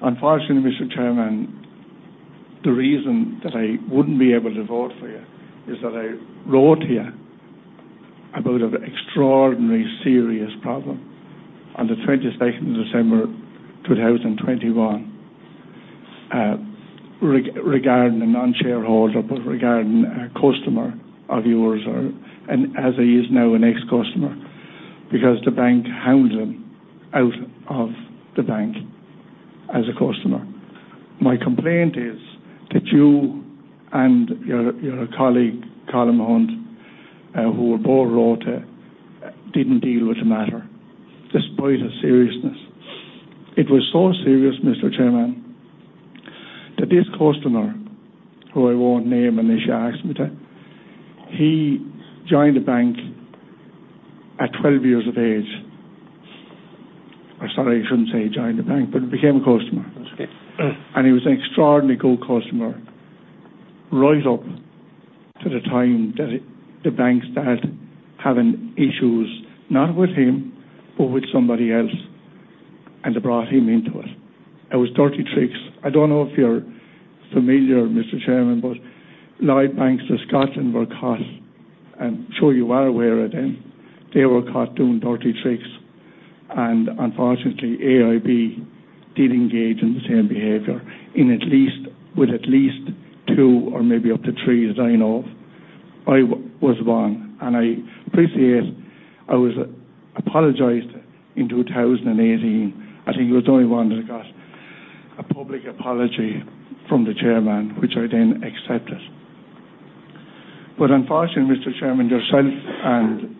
Unfortunately, Mr. Chairman, the reason that I wouldn't be able to vote for you is that I wrote to you about an extraordinary, serious problem on the 22nd of December, 2021, regarding a non-shareholder, but regarding a customer of yours, or, and as he is now, an ex-customer, because the bank hounded him out of the bank as a customer. My complaint is that you and your colleague, Colin Hunt, who I both wrote to, didn't deal with the matter, despite the seriousness. It was so serious, Mr. Chairman, that this customer, who I won't name unless you ask me to, he joined the bank at 12 years of age. I'm sorry, I shouldn't say he joined the bank, but became a customer. That's okay. He was an extraordinarily good customer, right up to the time that it, the bank started having issues, not with him, but with somebody else, and they brought him into it. It was dirty tricks. I don't know if you're familiar, Mr. Chairman, but Lloyds Banking Group were caught, and I'm sure you are aware of them. They were caught doing dirty tricks, and unfortunately, AIB did engage in the same behavior, with at least two or maybe up to three, as I know of. I was one, and I appreciate I was apologized to in 2018. I think it was the only one that got a public apology from the chairman, which I then accepted. But unfortunately, Mr. Chairman, yourself and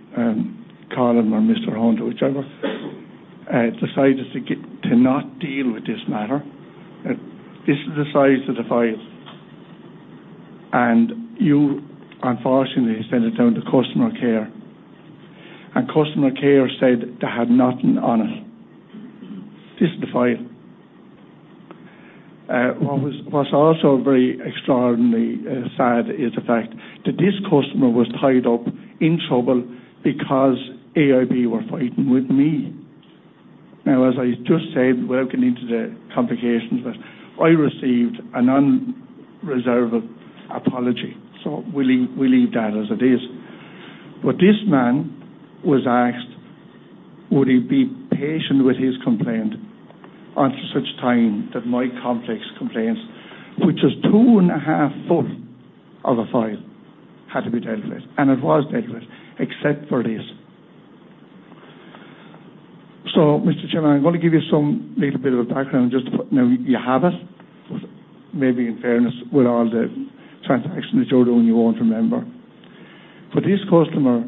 Colin or Mr. Hunt, whichever, decided to not deal with this matter. This is the size of the file, and you unfortunately sent it down to customer care, and customer care said they had nothing on it. This is the file. What's also very extraordinarily sad is the fact that this customer was tied up in trouble because AIB were fighting with me. Now, as I just said, without getting into the complications, but I received an unreserved apology, so we'll leave, we leave that as it is. But this man was asked, would he be patient with his complaint until such time that my complex complaints, which is two and a half foot of a file, had to be dealt with, and it was dealt with, except for this. So, Mr. Chairman, I'm going to give you some little bit of a background just to put now, you have it, but maybe in fairness, with all the transactions that you're doing, you won't remember. But this customer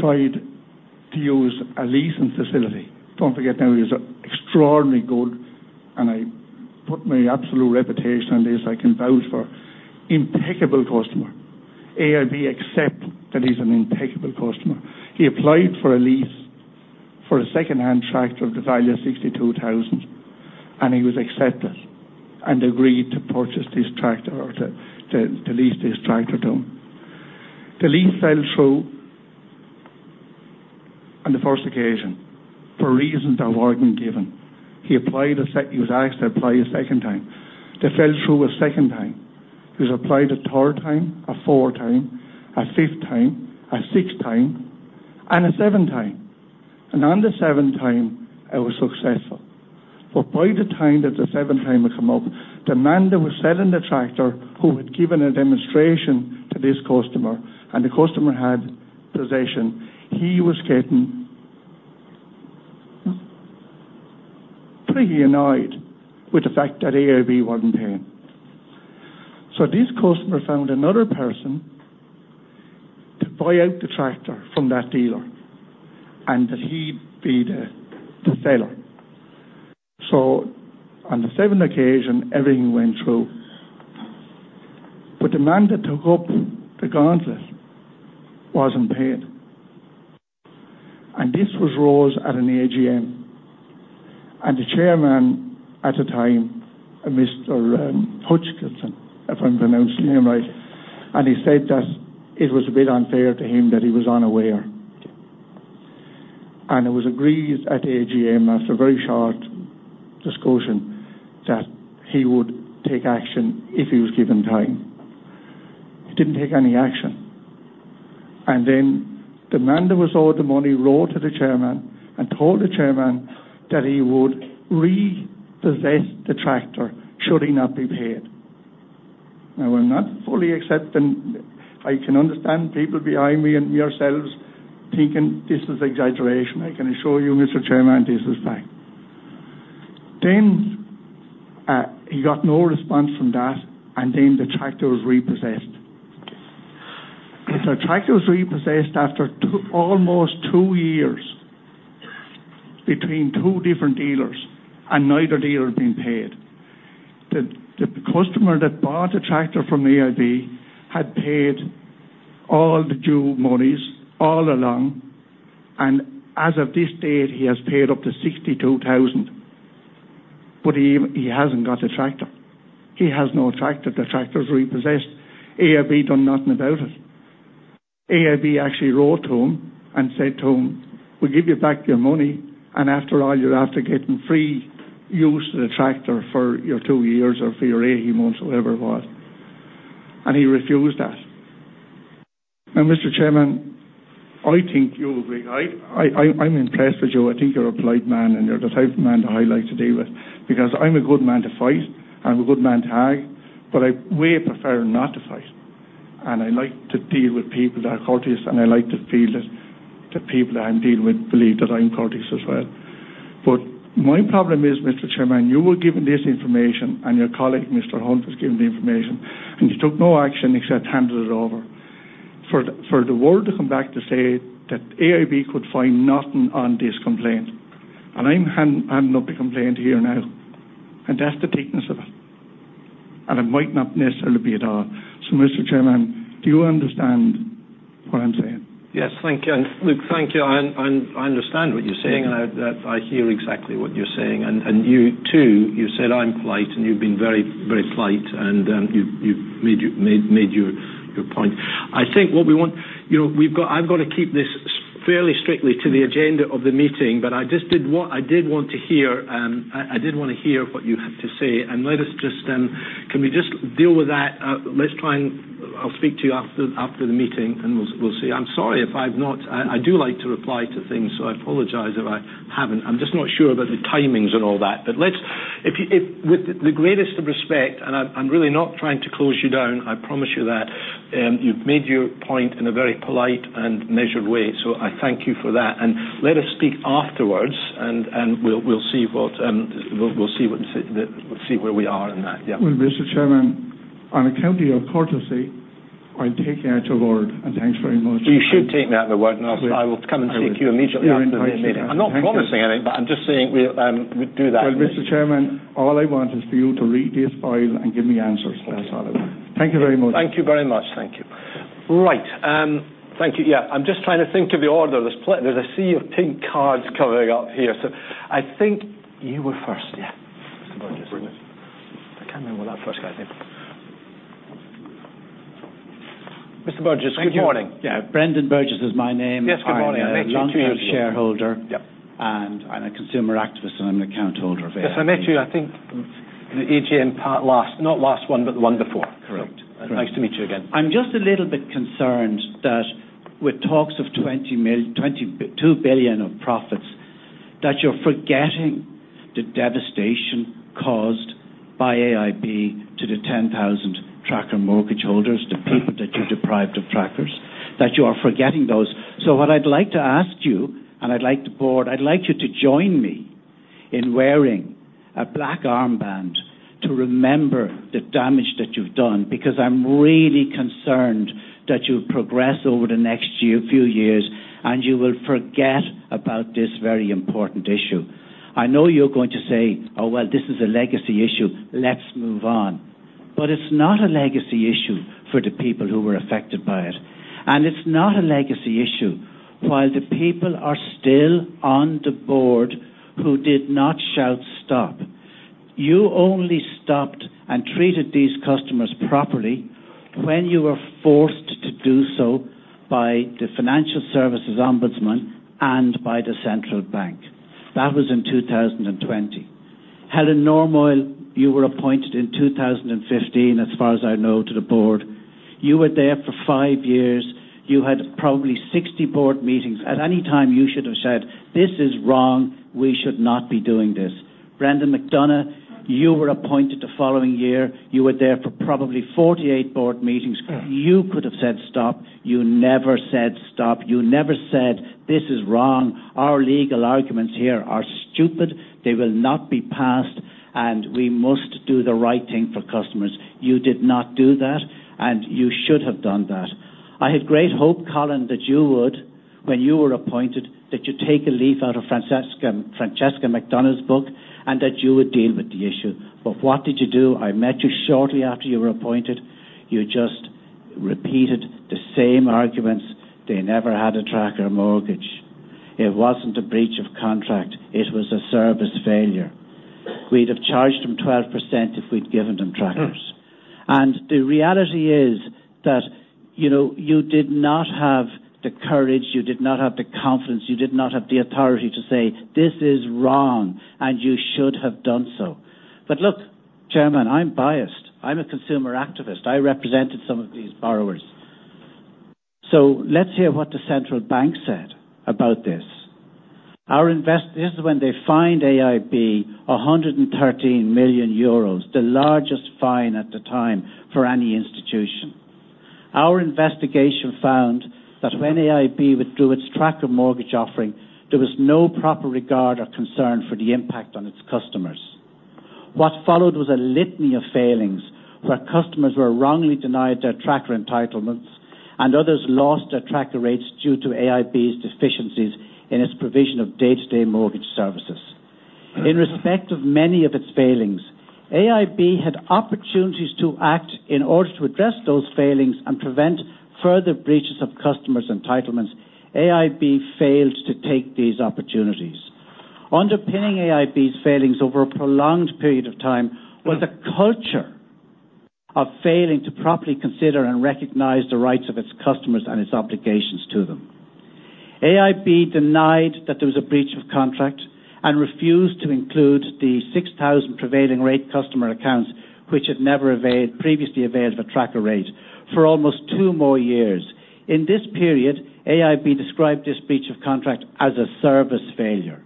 tried to use a leasing facility. Don't forget now, he was an extraordinarily good, and I put my absolute reputation on this, I can vouch for, impeccable customer. AIB accept that he's an impeccable customer. He applied for a lease for a secondhand tractor of the value of 62,000, and he was accepted and agreed to purchase this tractor or to lease this tractor to him. The lease fell through on the first occasion for reasons that weren't given. He applied. He was asked to apply a second time. It fell through a second time. He applied a third time, a fourth time, a fifth time, a sixth time, and a seventh time. On the seventh time, it was successful. But by the time that the seventh time had come up, the man that was selling the tractor, who had given a demonstration to this customer, and the customer had possession, he was getting pretty annoyed with the fact that AIB wasn't paying. So this customer found another person to buy out the tractor from that dealer and that he'd be the seller. So on the seventh occasion, everything went through. But the man that took up the gauntlet wasn't paid, and this was raised at an AGM. The chairman at the time, a Mr. Hodgkinson, if I'm pronouncing him right, said that it was a bit unfair to him, that he was unaware. It was agreed at the AGM, after a very short discussion, that he would take action if he was given time. He didn't take any action. Then the man that was owed the money wrote to the chairman and told the chairman that he would repossess the tractor should he not be paid. Now, I'm not fully accepting... I can understand people behind me and yourselves thinking this is exaggeration. I can assure you, Mr. Chairman, this is fact. Then he got no response from that, and then the tractor was repossessed. The tractor was repossessed after two, almost two years between two different dealers, and neither dealer had been paid. The customer that bought the tractor from AIB had paid all the due monies all along, and as of this date, he has paid up to 62,000, but he hasn't got the tractor. He has no tractor. The tractor is repossessed. AIB done nothing about it. AIB actually wrote to him and said to him, "We'll give you back your money, and after all, you're after getting free use of the tractor for your 2 years or for your 18 months," or whatever it was, and he refused that. Now, Mr. Chairman, I think you'll agree. I'm impressed with you. I think you're a polite man, and you're the type of man I like to deal with, because I'm a good man to fight, I'm a good man to hag, but I way prefer not to fight. And I like to deal with people that are courteous, and I like to feel that the people that I'm dealing with believe that I'm courteous as well. But my problem is, Mr. Chairman, you were given this information, and your colleague, Mr. Hunt, was given the information, and you took no action except handed it over. For the world to come back to say that AIB could find nothing on this complaint, and I'm handing up the complaint here now, and that's the thickness of it, and it might not necessarily be at all. So, Mr. Chairman, do you understand what I'm saying? Yes, thank you. And look, thank you. I understand what you're saying, and I hear exactly what you're saying. And you, too, you said I'm polite, and you've been very, very polite, and you, you've made your point. I think what we want..You know, we've got, I've got to keep this fairly strictly to the agenda of the meeting, but I just did want to hear, I did want to hear what you have to say, and let us just, can we just deal with that? Let's try and I'll speak to you after the meeting, and we'll see. I'm sorry if I've not. I do like to reply to things, so I apologize if I haven't. I'm just not sure about the timings and all that. But let's, if, with the greatest of respect, and I'm really not trying to close you down, I promise you that, you've made your point in a very polite and measured way, so I thank you for that. And let us speak afterwards, and we'll see what we'll see where we are in that. Yeah. Well, Mr. Chairman, on account of your courtesy, I'll take you out to lunch, and thanks very much. You should take me out of the work, and I will come and see you immediately after the meeting. I'm not promising anything, but I'm just saying we, we'll do that. Well, Mr. Chairman, all I want is for you to read this file and give me answers, that's all. Thank you very much. Thank you very much. Thank you. Right, thank you. Yeah, I'm just trying to think of the order. There's a sea of pink cards coming up here, so I think you were first. Yeah. Mr. Burgess. I can't remember what that first guy did. Mr. Burgess, good morning. Yeah, Brendan Burgess is my name. Yes, good morning. I met you. Long-term shareholder. Yep. I'm a consumer activist, and I'm an account holder of AIB. Yes, I met you, I think, in the AGM part last, not last one, but the one before. Correct. Nice to meet you again. I'm just a little bit concerned that with talks of 20 million, 2 billion of profits, that you're forgetting the devastation caused by AIB to the 10,000 tracker mortgage holders, the people that you deprived of trackers, that you are forgetting those. So what I'd like to ask you, and I'd like the board, I'd like you to join me in wearing a black armband to remember the damage that you've done, because I'm really concerned that you'll progress over the next year, few years, and you will forget about this very important issue. I know you're going to say: Oh, well, this is a legacy issue, let's move on. But it's not a legacy issue for the people who were affected by it, and it's not a legacy issue while the people are still on the board who did not shout stop. You only stopped and treated these customers properly when you were forced to do so by the Financial Services Ombudsman and by the Central Bank. That was in 2020. Helen Normoyle, you were appointed in 2015, as far as I know, to the board. You were there for 5 years. You had probably 60 board meetings. At any time, you should have said, "This is wrong. We should not be doing this." Brendan McDonagh, you were appointed the following year. You were there for probably 48 board meetings. You could have said, "Stop." You never said stop. You never said: This is wrong. Our legal arguments here are stupid. They will not be passed, and we must do the right thing for customers. You did not do that, and you should have done that. I had great hope, Colin, that you would, when you were appointed, that you'd take a leaf out of Francesca McDonagh's book, and that you would deal with the issue. But what did you do? I met you shortly after you were appointed. You just repeated the same arguments. They never had a tracker mortgage. It wasn't a breach of contract; it was a service failure. We'd have charged them 12% if we'd given them trackers. And the reality is that, you know, you did not have the courage, you did not have the confidence, you did not have the authority to say, "This is wrong, and you should have done so." But look, Chairman, I'm biased. I'm a consumer activist. I represented some of these borrowers. So let's hear what the Central Bank said about this. This is when they fined AIB 113 million euros, the largest fine at the time for any institution. Our investigation found that when AIB withdrew its tracker mortgage offering, there was no proper regard or concern for the impact on its customers. What followed was a litany of failings, where customers were wrongly denied their tracker entitlements, and others lost their tracker rates due to AIB's deficiencies in its provision of day-to-day mortgage services. In respect of many of its failings, AIB had opportunities to act in order to address those failings and prevent further breaches of customers' entitlements. AIB failed to take these opportunities. Underpinning AIB's failings over a prolonged period of time was a culture of failing to properly consider and recognize the rights of its customers and its obligations to them. AIB denied that there was a breach of contract and refused to include the 6,000 prevailing rate customer accounts, which had never availed, previously availed of a tracker rate, for almost two more years. In this period, AIB described this breach of contract as a service failure.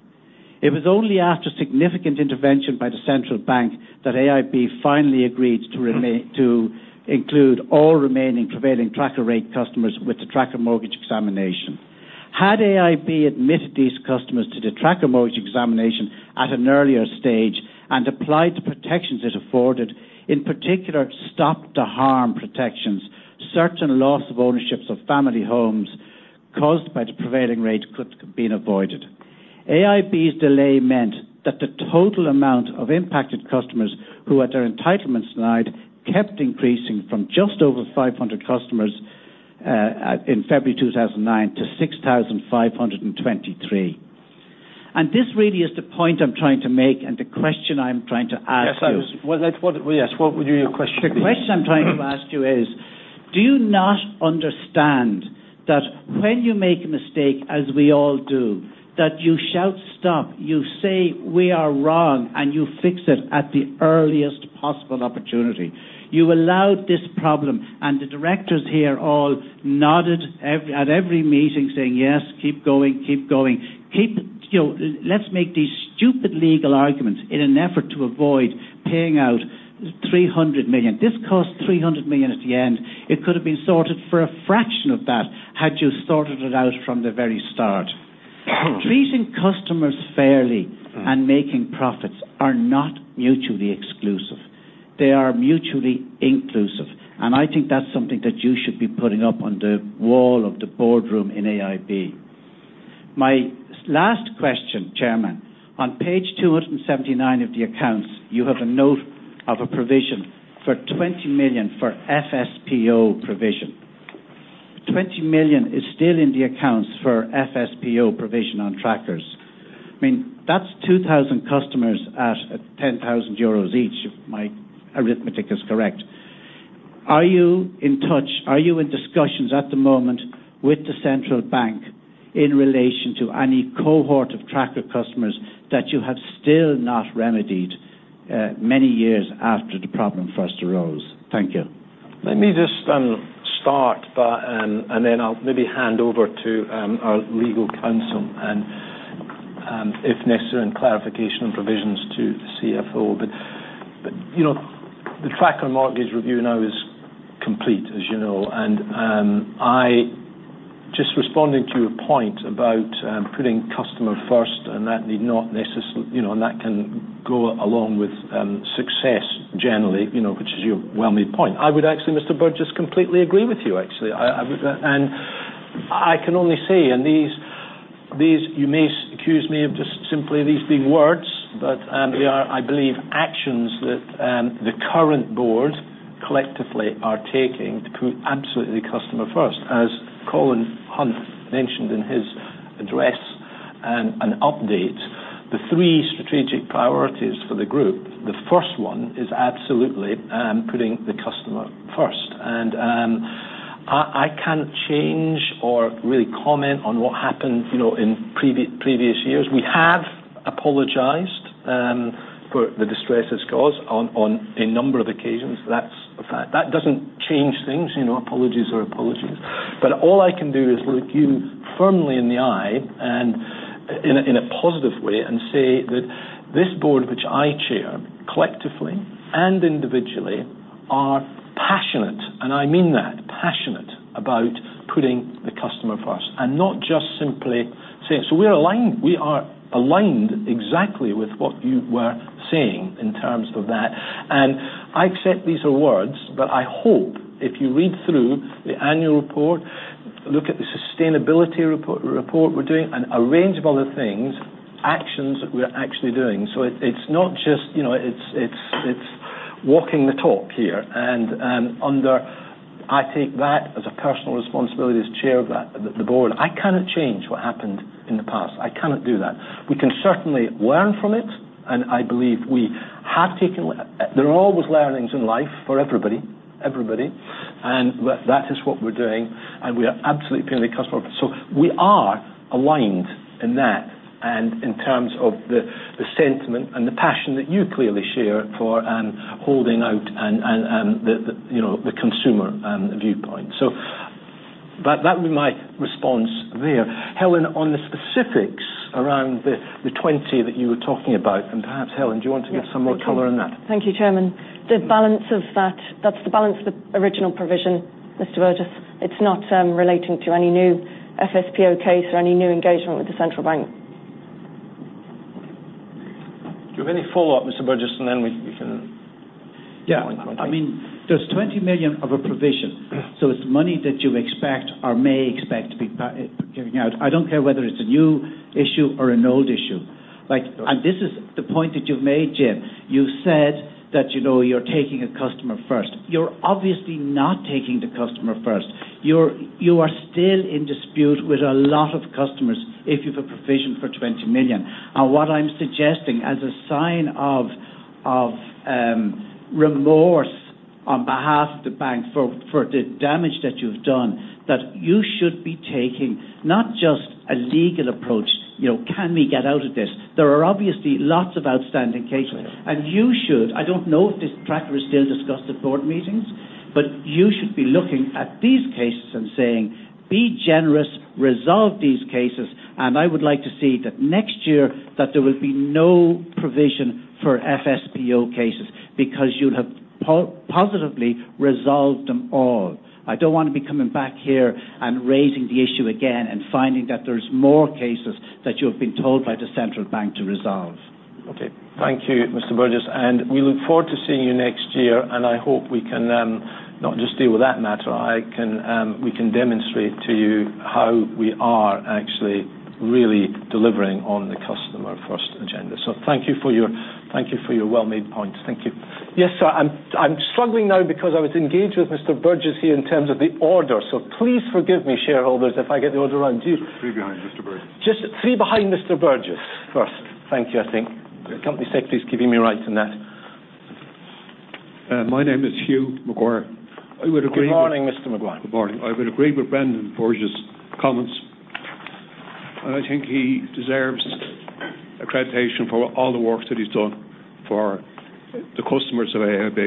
It was only after significant intervention by the Central Bank that AIB finally agreed to include all remaining prevailing tracker rate customers with the tracker mortgage examination. Had AIB admitted these customers to the tracker mortgage examination at an earlier stage and applied the protections it afforded, in particular, stopped the harm protections, certain loss of ownerships of family homes caused by the prevailing rate could have been avoided. AIB's delay meant that the total amount of impacted customers, who had their entitlements denied, kept increasing from just over 500 customers in February 2009, to 6,523. And this really is the point I'm trying to make and the question I'm trying to ask you. Yes, I was. Well, that's what, yes, what would your question be? The question I'm trying to ask you is, do you not understand that when you make a mistake, as we all do, that you shout, "Stop," you say, "We are wrong," and you fix it at the earliest possible opportunity? You allowed this problem, and the directors here all nodded at every meeting, saying: Yes, keep going, keep going. You know, let's make these stupid legal arguments in an effort to avoid paying out 300 million. This cost 300 million at the end. It could have been sorted for a fraction of that, had you sorted it out from the very start. Treating customers fairly and making profits are not mutually exclusive. They are mutually inclusive, and I think that's something that you should be putting up on the wall of the boardroom in AIB. My last question, Chairman, on page 279 of the accounts, you have a note of a provision for 20 million for FSPO provision. 20 million is still in the accounts for FSPO provision on trackers. I mean, that's 2,000 customers at ten thousand euros each, if my arithmetic is correct. Are you in touch? Are you in discussions at the moment with the central bank in relation to any cohort of tracker customers that you have still not remedied, many years after the problem first arose? Thank you. Let me just start by, and then I'll maybe hand over to our legal counsel, and if necessary, clarification and provisions to the CFO. But you know, the tracker mortgage review now is complete, as you know, and I just responding to your point about putting customer first, and that need not necessarily, you know, and that can go along with success generally, you know, which is your well-made point. I would actually, Mr. Burgess, completely agree with you, actually. I can only say, and these you may accuse me of just simply these being words, but they are, I believe, actions that the current board collectively are taking to put absolutely customer first. As Colin Hunt mentioned in his address and update, the three strategic priorities for the group, the first one is absolutely putting the customer first. I can't change or really comment on what happened, you know, in previous years. We have apologized for the distress it's caused on a number of occasions. That's a fact. That doesn't change things, you know, apologies are apologies. But all I can do is look you firmly in the eye and in a positive way, and say that this board, which I chair, collectively and individually, are passionate, and I mean that, passionate about putting the customer first, and not just simply saying. We're aligned. We are aligned exactly with what you were saying in terms of that. And I accept these are words, but I hope if you read through the annual report, look at the sustainability report, we're doing a range of other things, actions that we're actually doing. So it, it's not just, you know, it's walking the talk here. And I take that as a personal responsibility as Chair of the Board. I cannot change what happened in the past. I cannot do that. We can certainly learn from it, and I believe we have taken le. There are always learnings in life for everybody, everybody, and that is what we're doing, and we are absolutely putting the customer first. So we are aligned in that and in terms of the sentiment and the passion that you clearly share for holding out and the, you know, the consumer viewpoint. So that, that would be my response there. Helen, on the specifics around the, the 20 that you were talking about, and perhaps, Helen, do you want to give some more color on that? Thank you, Chairman. The balance of that, that's the balance of the original provision, Mr. Burgess. It's not relating to any new FSPO case or any new engagement with the central bank. Do you have any follow-up, Mr. Burgess? Then we can. Yeah. I mean, there's 20 million of a provision, so it's money that you expect or may expect to be paying out. I don't care whether it's a new issue or an old issue. Like, and this is the point that you've made, Jim. You said that, you know, you're taking a customer first. You're obviously not taking the customer first. You're, you are still in dispute with a lot of customers if you've a provision for 20 million. And what I'm suggesting, as a sign of remorse on behalf of the bank for the damage that you've done, that you should be taking not just a legal approach, you know, can we get out of this? There are obviously lots of outstanding cases, and you should... I don't know if this tracker is still discussed at board meetings, but you should be looking at these cases and saying, "Be generous, resolve these cases," and I would like to see that next year, that there will be no provision for FSPO cases because you'll have positively resolved them all. I don't want to be coming back here and raising the issue again and finding that there's more cases that you have been told by the central bank to resolve. Okay. Thank you, Mr. Burgess, and we look forward to seeing you next year, and I hope we can not just deal with that matter, we can demonstrate to you how we are actually really delivering on the customer first agenda. So thank you for your, thank you for your well-made point. Thank you. Yes, sir, I'm struggling now because I was engaged with Mr. Burgess here in terms of the order, so please forgive me, shareholders, if I get the order wrong. Do you. Three behind Mr. Burgess. Just three behind Mr. Burgess first. Thank you. I think the company secretary is keeping me right in that. My name is Hugh McGuire. I would agree with. Good morning, Mr. McGuire. Good morning. I would agree with Brendan Burgess' comments, and I think he deserves accreditation for all the work that he's done for the customers of AIB.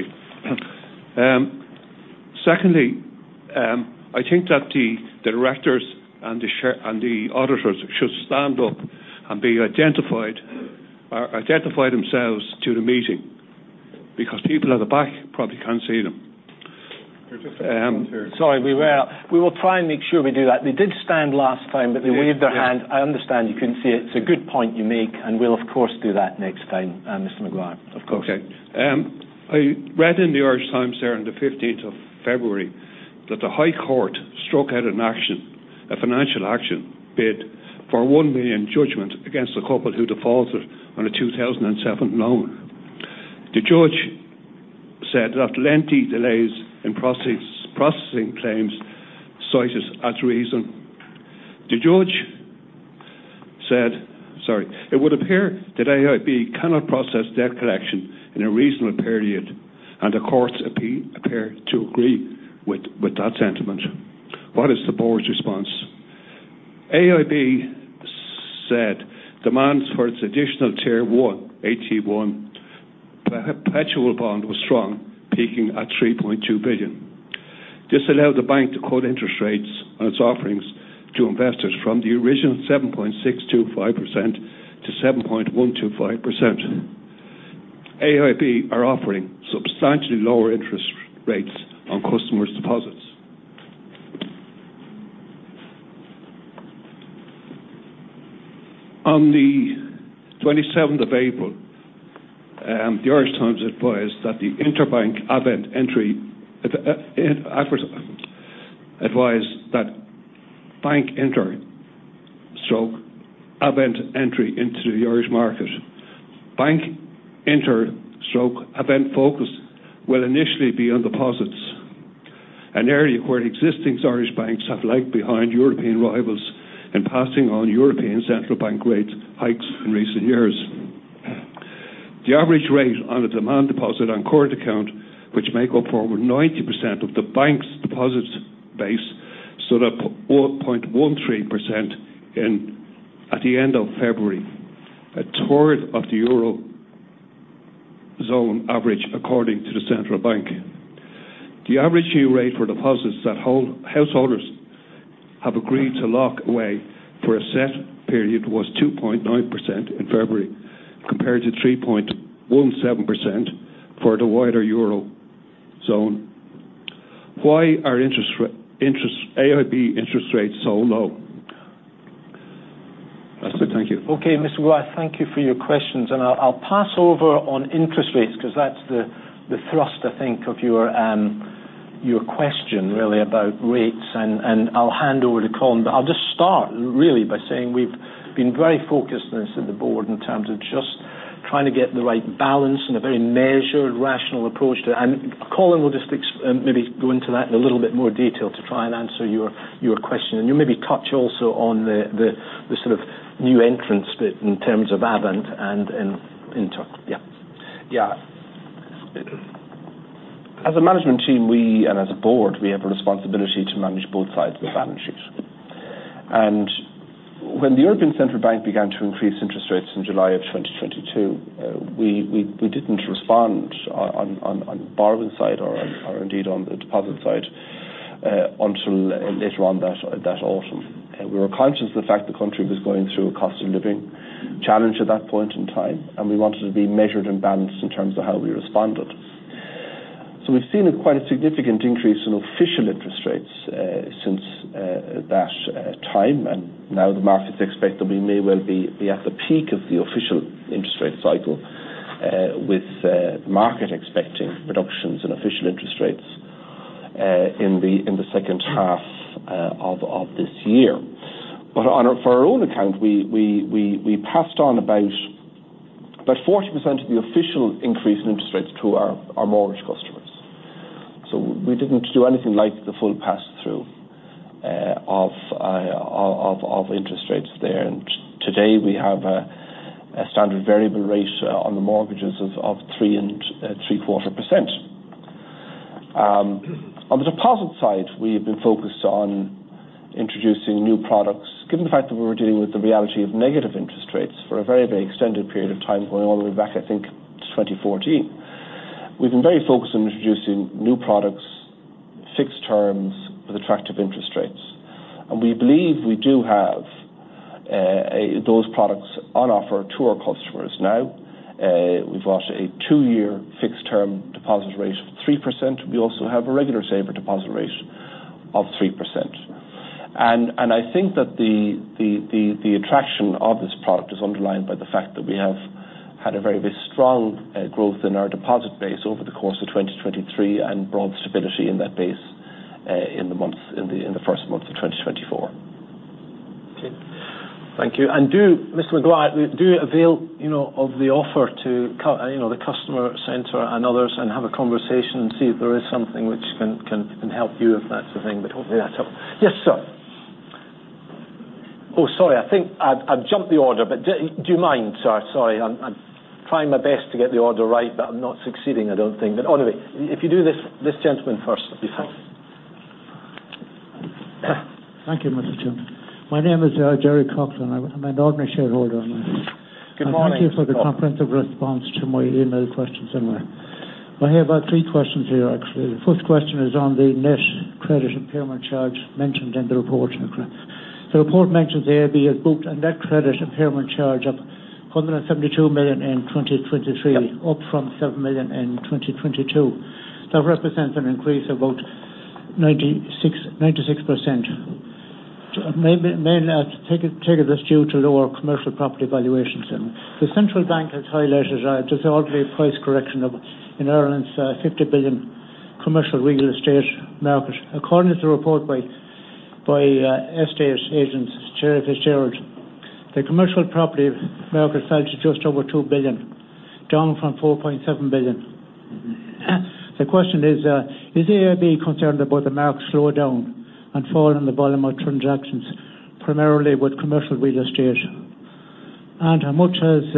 Secondly, I think that the directors and the shareholders and the auditors should stand up and be identified, or identify themselves to the meeting, because people at the back probably can't see them. Sorry, we will, we will try and make sure we do that. They did stand last time, but they waved their hand. I understand you couldn't see it. It's a good point you make, and we'll, of course, do that next time, Mr. McGuire, of course. Okay. I read in the Irish Times there on the fifteenth of February, that the High Court struck out an action, a financial action bid for 1 million judgment against a couple who defaulted on a 2007 loan. The judge said that after lengthy delays in processing claims, cited as reason. The judge said sorry, it would appear that AIB cannot process debt collection in a reasonable period, and the courts appear to agree with that sentiment. What is the board's response? AIB said, demands for its additional Tier I, AT1, perpetual bond was strong, peaking at 3.2 billion. This allowed the bank to cut interest rates on its offerings to investors from the original 7.625% to 7.125%. AIB are offering substantially lower interest rates on customers' deposits. On the twenty-seventh of April, the Irish Times advised that the Bankinter Avant entry into the Irish market. Bankinter Avant focus will initially be on deposits, an area where existing Irish banks have lagged behind European rivals in passing on European Central Bank rate hikes in recent years. The average rate on a demand deposit on current account, which make up over 90% of the bank's deposits base, stood at 4.13% at the end of February, a third of the Eurozone average, according to the central bank. The average yield rate for deposits that householders have agreed to lock away for a set period was 2.9% in February, compared to 3.17% for the wider Eurozone. Why are interest rates so low? That's it. Thank you. Okay, Mr. McGuire, thank you for your questions. I'll pass over on interest rates because that's the thrust, I think, of your question, really, about rates, and I'll hand over to Colin. But I'll just start, really, by saying we've been very focused on this at the board in terms of just trying to get the right balance and a very measured, rational approach to it. And Colin will just maybe go into that in a little bit more detail to try and answer your question. And you'll maybe touch also on the sort of new entrants bit in terms of Avant and Bankinter. Yeah. Yeah. As a management team, we, and as a board, we have a responsibility to manage both sides of the balance sheet. And when the European Central Bank began to increase interest rates in July 2022, we didn't respond on the borrowing side or indeed on the deposit side until later on that autumn. We were conscious of the fact the country was going through a cost of living challenge at that point in time, and we wanted to be measured and balanced in terms of how we responded. So we've seen a quite significant increase in official interest rates since that time, and now the markets expect that we may well be at the peak of the official interest rate cycle, with market expecting reductions in official interest rates in the second half of this year. But on our—for our own account, we passed on about 40% of the official increase in interest rates to our mortgage customers. So we didn't do anything like the full pass-through of interest rates there. And today, we have a standard variable rate on the mortgages of 3.75%. On the deposit side, we've been focused on introducing new products, given the fact that we were dealing with the reality of negative interest rates for a very, very extended period of time, going all the way back, I think, to 2014. We've been very focused on introducing new products, fixed terms with attractive interest rates. And we believe we do have those products on offer to our customers now. We've got a two-year fixed term deposit rate of 3%. We also have a regular saver deposit rate of 3%. I think that the attraction of this product is underlined by the fact that we have had a very, very strong growth in our deposit base over the course of 2023, and broad stability in that base, in the first month of 2024. Okay. Thank you. Mr. McGuire, do avail, you know, of the offer to, you know, the customer center and others, and have a conversation and see if there is something which can help you, if that's the thing, but hopefully, that's all. Yes, sir. Oh, sorry, I think I've jumped the order, but do you mind, sir? Sorry, I'm trying my best to get the order right, but I'm not succeeding, I don't think. But anyway, if you do this, this gentleman first. Thanks. Thank you, Mr. Chairman. My name is Gerry Coughlan. I'm an ordinary shareholder. Good morning. Thank you for the comprehensive response to my emailed questions earlier. I have about three questions here, actually. The first question is on the net credit impairment charge mentioned in the report. The report mentions AIB has booked a net credit impairment charge of 172 million in 2023, up from 7 million in 2022. That represents an increase of about 96%. Mainly due to lower commercial property valuations. The central bank has highlighted a disorderly price correction in Ireland's 50 billion commercial real estate market. According to the report by estate agents Sherry FitzGerald, the commercial property market fell to just over 2 billion, down from 4.7 billion. The question is, is AIB concerned about the market slowdown and fall in the volume of transactions, primarily with commercial real estate? How much has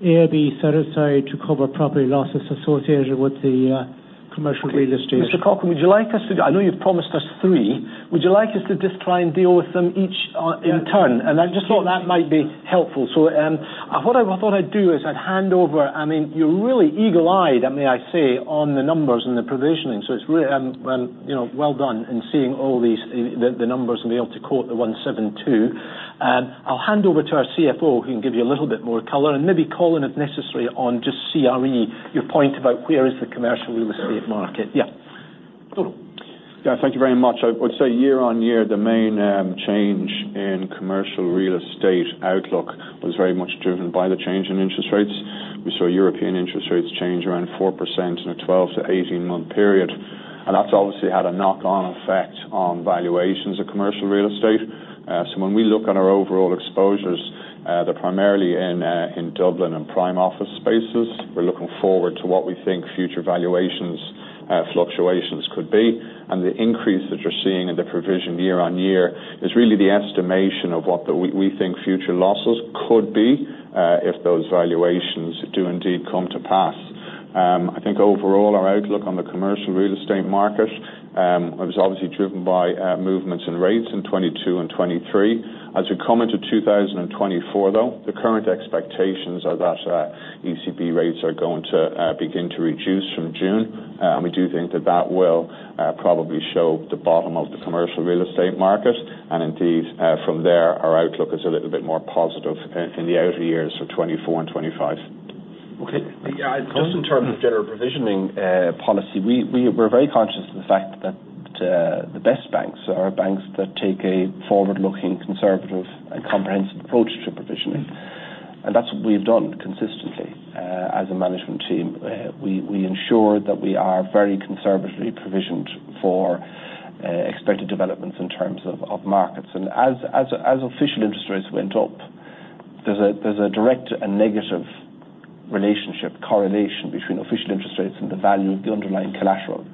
AIB set aside to cover property losses associated with the commercial real estate? Mr. Coughlan, would you like us to, I know you've promised us three. Would you like us to just try and deal with them each in turn? Yeah. I just thought that might be helpful. So, what I thought I'd do is I'd hand over. I mean, you're really eagle-eyed, may I say, on the numbers and the provisioning, so it's really, you know, well done in seeing all these, the numbers and be able to quote the 172. I'll hand over to our CFO, who can give you a little bit more color, and maybe Colin, if necessary, on just CRE, your point about where is the commercial real estate market. Yeah. Donal. Yeah, thank you very much. I would say year-on-year, the main change in commercial real estate outlook was very much driven by the change in interest rates. We saw European interest rates change around 4% in a 12- to 18-month period, and that's obviously had a knock-on effect on valuations of commercial real estate. So when we look on our overall exposures, they're primarily in Dublin and prime office spaces. We're looking forward to what we think future valuations fluctuations could be, and the increase that you're seeing in the provision year-on-year is really the estimation of what we think future losses could be, if those valuations do indeed come to pass. I think overall, our outlook on the commercial real estate market was obviously driven by movements in rates in 2022 and 2023. As we come into 2024, though, the current expectations are that ECB rates are going to begin to reduce from June, and we do think that that will probably show the bottom of the commercial real estate market. And indeed, from there, our outlook is a little bit more positive in the outer years of 2024 and 2025. Okay. Yeah, just in terms of general provisioning policy, we're very conscious of the fact that the best banks are banks that take a forward-looking, conservative, and comprehensive approach to provisioning. And that's what we've done consistently as a management team. We ensure that we are very conservatively provisioned for expected developments in terms of markets. And as official interest rates went up, there's a direct and negative relationship correlation between official interest rates and the value of the underlying collateral.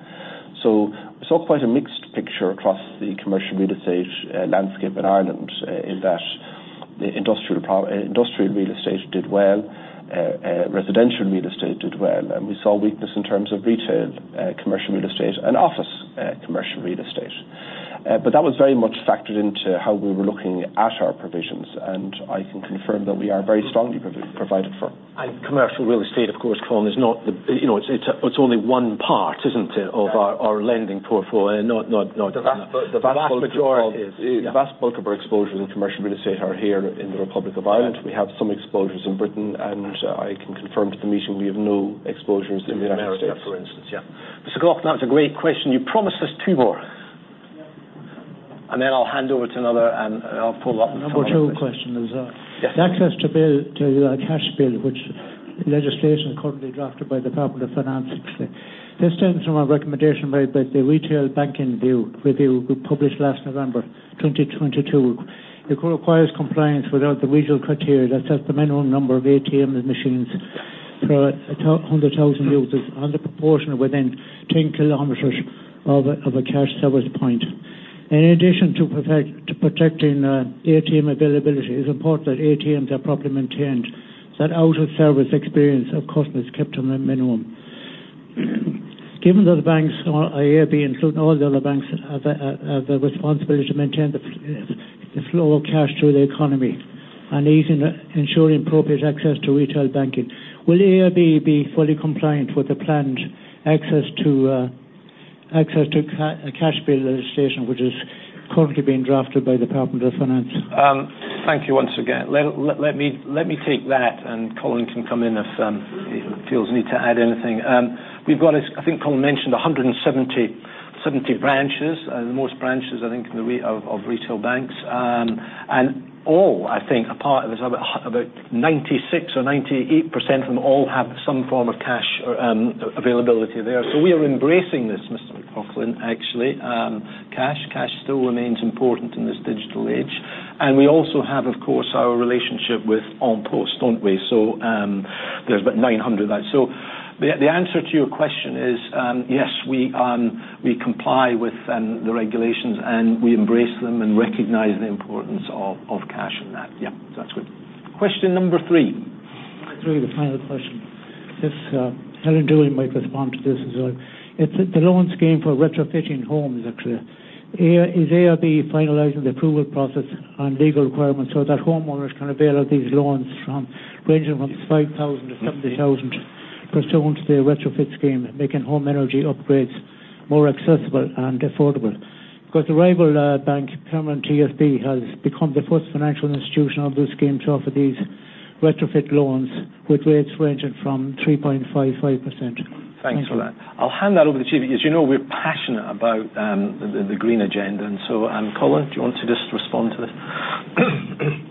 So we saw quite a mixed picture across the commercial real estate landscape in Ireland, in that the industrial real estate did well, residential real estate did well, and we saw weakness in terms of retail commercial real estate and office commercial real estate. But that was very much factored into how we were looking at our provisions, and I can confirm that we are very strongly provided for. Commercial real estate, of course, Colin, is not the, you know, it's only one part, isn't it. Yeah of our lending portfolio? No, it doesn't. The vast majority. The vast majority is, yeah. The vast bulk of our exposures in commercial real estate are here in the Republic of Ireland. Right. We have some exposures in Britain, and I can confirm to the meeting, we have no exposures in the United States. In America, for instance, yeah. Mr. Coughlan, that was a great question. You promised us two more. Yep. And then I'll hand over to another, and I'll pull u.- Number two question is. Yes. The Access to Cash Bill, which legislation currently drafted by the Department of Finance. This stems from a recommendation made by the Retail Banking Review, published last November 2022. It requires compliance with the regional criteria that sets the minimum number of ATM machines for 100,000 users on the proportion within 10 kilometers of a cash service point. In addition to protecting ATM availability, it's important that ATMs are properly maintained, that out of service experience of customers is kept to a minimum. Given that the banks or AIB, including all the other banks, have a responsibility to maintain the flow of cash through the economy and ensuring appropriate access to retail banking, will AIB be fully compliant with the planned Access to Cash Bill legislation, which is currently being drafted by the Department of Finance? Thank you once again. Let me take that, and Colin can come in if he feels the need to add anything. We've got, as I think Colin mentioned, 170 branches, the most branches, I think, in the Republic of retail banks. And all, I think, apart, there's about 96% or 98% of them all have some form of cash or availability there. So we are embracing this, Mr. Coughlan, actually. Cash still remains important in this digital age. And we also have, of course, our relationship with An Post, don't we? So there's about 900 of that. So the answer to your question is yes, we comply with the regulations, and we embrace them and recognize the importance of cash in that. Yeah, that's good. Question number 3. Three, the final question. This, Helen Dooley might respond to this as well. It's the loan scheme for retrofitting homes, actually. Is AIB finalizing the approval process on legal requirements so that homeowners can avail of these loans from, ranging from 5,000 to 70,000, pursuant to the retrofit scheme, making home energy upgrades more accessible and affordable. Because the rival bank, Permanent TSB, has become the first financial institution of this scheme to offer these retrofit loans, with rates ranging from 3.55%. Thanks for that. I'll hand that over to chief, because you know, we're passionate about the green agenda, and so, Colin, do you want to just respond to this?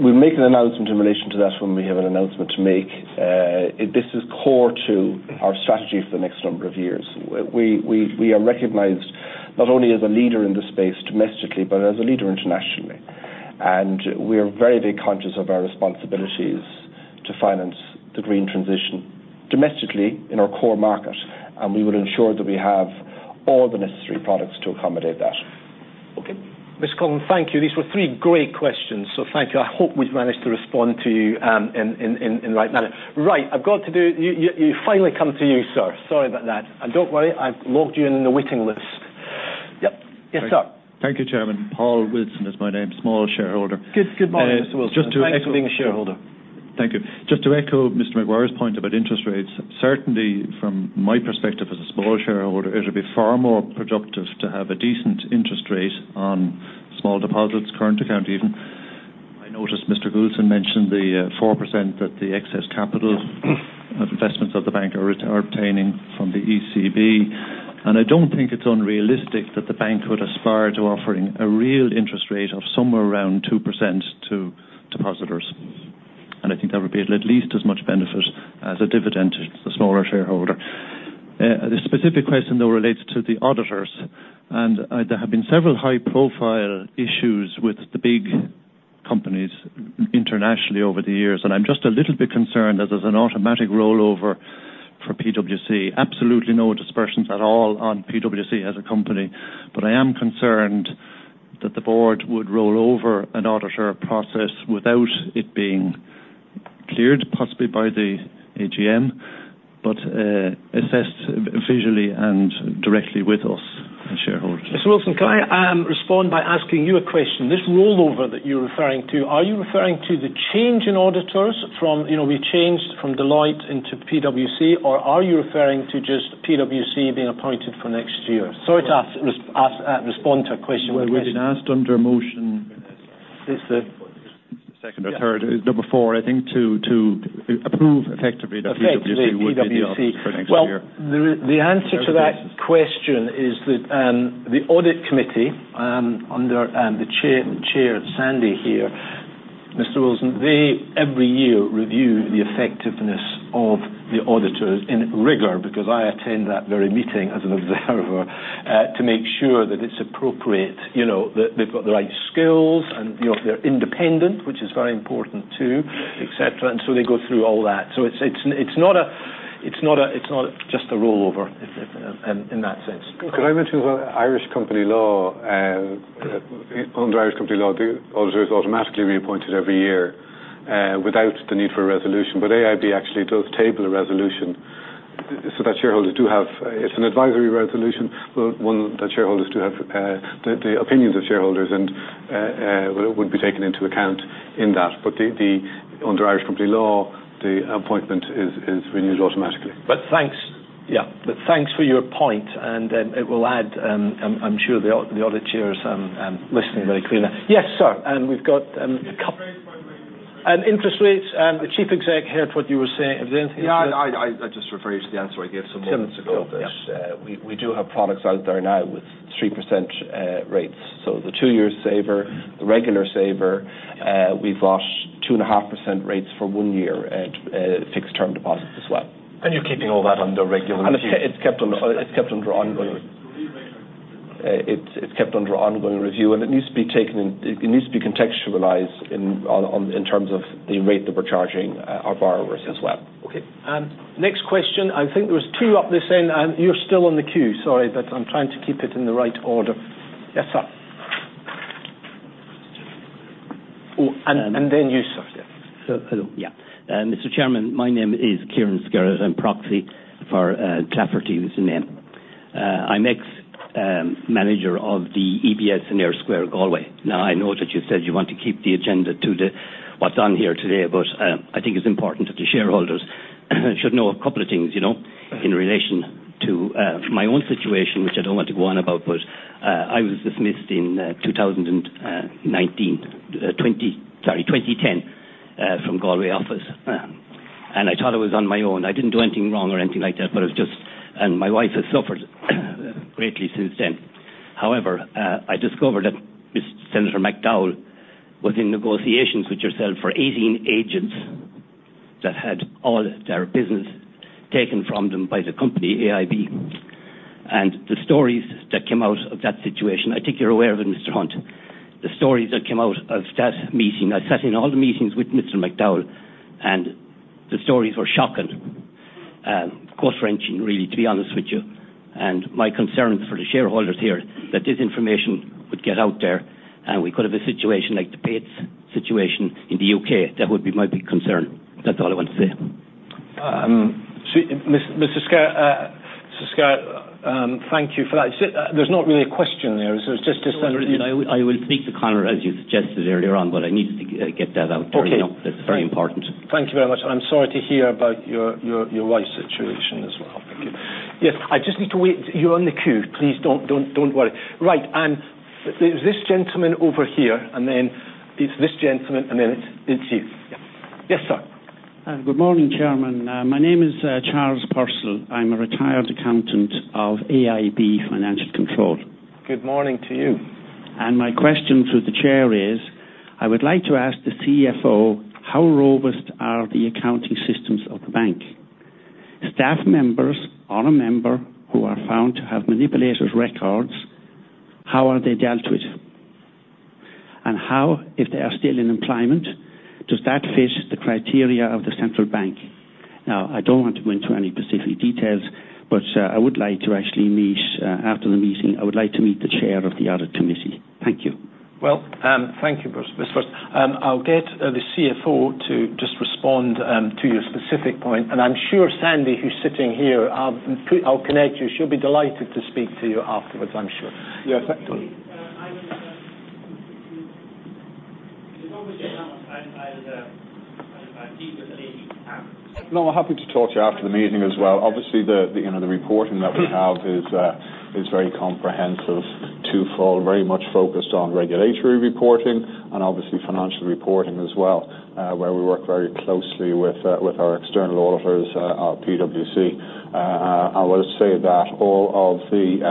We'll make an announcement in relation to that when we have an announcement to make. This is core to our strategy for the next number of years. We are recognized not only as a leader in this space domestically, but as a leader internationally. And we are very much conscious of our responsibilities to finance the green transition domestically in our core market, and we would ensure that we have all the necessary products to accommodate that. Okay. Mr. Colin, thank you. These were three great questions, so thank you. I hope we've managed to respond to you in right manner. Right, I've got to do... You finally come to you, sir. Sorry about that. And don't worry, I've logged you in the waiting list. Yep. Yes, sir. Thank you, Chairman. Paul Wilson is my name, small shareholder. Good morning, Mr. Galvin. Just to echo. Thanks for being a shareholder. Thank you. Just to echo Mr. McGuire's point about interest rates, certainly from my perspective as a small shareholder, it'll be far more productive to have a decent interest rate on small deposits, current account, even. I noticed Mr. Galvin mentioned the 4% that the excess capital investments of the bank are obtaining from the ECB. I don't think it's unrealistic that the bank would aspire to offering a real interest rate of somewhere around 2% to depositors. I think that would be at least as much benefit as a dividend to the smaller shareholder. The specific question, though, relates to the auditors, and there have been several high-profile issues with the big companies internationally over the years, and I'm just a little bit concerned that there's an automatic rollover for PwC. Absolutely no aspersions at all on PwC as a company, but I am concerned that the board would roll over an auditor process without it being cleared, possibly by the AGM, but assessed visually and directly with us as shareholders. Mr. Wilson, can I respond by asking you a question? This rollover that you're referring to, are you referring to the change in auditors from. You know, we changed from Deloitte into PwC, or are you referring to just PwC being appointed for next year? Sorry to ask, respond to a question with a question. Well, we've been asked under motion. Is the second or third, number four, I think, to, to approve effectively that PwC. Effectively, PwC would be the auditor for next year. Well, the answer to that question is that the audit committee, under, the Chair, Sandy here, Mr. Wilson, they every year review the effectiveness of the auditors in rigor, because I attend that very meeting as an observer, to make sure that it's appropriate, you know, that they've got the right skills and, you know, they're independent, which is very important, too, et cetera. And so they go through all that. So it's not just a rollover in that sense. Can I mention the Irish company law? Under Irish company law, the auditors are automatically reappointed every year without the need for a resolution. But AIB actually does table a resolution so that shareholders do have... It's an advisory resolution, but one that shareholders do have the opinions of shareholders and would be taken into account in that. But under Irish company law, the appointment is renewed automatically. But thanks, yeah. But thanks for your point, and it will add, I'm sure the auditors listening very clearly. Yes, sir, and we've got. And interest rates, the chief exec heard what you were saying. Is there anything you'd like to add? Yeah, I just refer you to the answer I gave some moments ago. Yeah. But we do have products out there now with 3% rates. The two-year saver, the regular saver, we've got 2.5% rates for one year at fixed term deposits as well. You're keeping all that under review? It's kept under ongoing review, and it needs to be contextualized in terms of the rate that we're charging our borrowers as well. Okay. And next question, I think there was 2 up this end, and you're still on the queue. Sorry, but I'm trying to keep it in the right order. Yes, sir. Oh, and, and then you, sir. Yeah. Hello. Mr. Chairman, my name is Kieran Skerritt. I'm proxy for Clafferty, was the name. I'm ex manager of the EBS in Eyre Square, Galway. Now, I know that you said you want to keep the agenda to what's on here today, but I think it's important that the shareholders should know a couple of things, you know, in relation to my own situation, which I don't want to go on about, but I was dismissed in 2010 from Galway office. And I thought I was on my own. I didn't do anything wrong or anything like that, but I was just. And my wife has suffered greatly since then. However, I discovered that Mr. Senator McDowell was in negotiations with yourself for 18 agents that had all their business taken from them by the company, AIB. The stories that came out of that situation, I think you're aware of it, Mr. Hunt. The stories that came out of that meeting, I sat in all the meetings with Mr. McDowell, and the stories were shocking. Gut-wrenching, really, to be honest with you. My concern for the shareholders here, that this information would get out there, and we could have a situation like the Bates situation in the U.K. That would be my big concern. That's all I want to say. So, Mr. Skerritt, thank you for that. There's not really a question there, so it's just to. I will, I will speak to Conor, as you suggested earlier on, but I needed to get that out there. Okay. You know, it's very important. Thank you very much. I'm sorry to hear about your wife's situation as well. Yes, I just need to wait. You're on the queue. Please don't worry. Right, and there's this gentleman over here, and then it's this gentleman, and then it's you. Yes, sir. Good morning, Chairman. My name is Charles Purcell. I'm a retired accountant of AIB Financial Control. Good morning to you. My question to the Chair is: I would like to ask the CFO, how robust are the accounting systems of the bank? Staff members or a member who are found to have manipulated records, how are they dealt with? And how, if they are still in employment, does that fit the criteria of the central bank? Now, I don't want to go into any specific details, but, I would like to actually meet, after the meeting, I would like to meet the chair of the audit committee. Thank you. Well, thank you, first. I'll get the CFO to just respond to your specific point, and I'm sure Sandy, who's sitting here, I'll connect you. She'll be delighted to speak to you afterwards, I'm sure. Yes, absolutely. No, I'm happy to talk to you after the meeting as well. Obviously, you know, the reporting that we have is very comprehensive, twofold, very much focused on regulatory reporting and obviously financial reporting as well, where we work very closely with our external auditors, PwC. I will say that all of the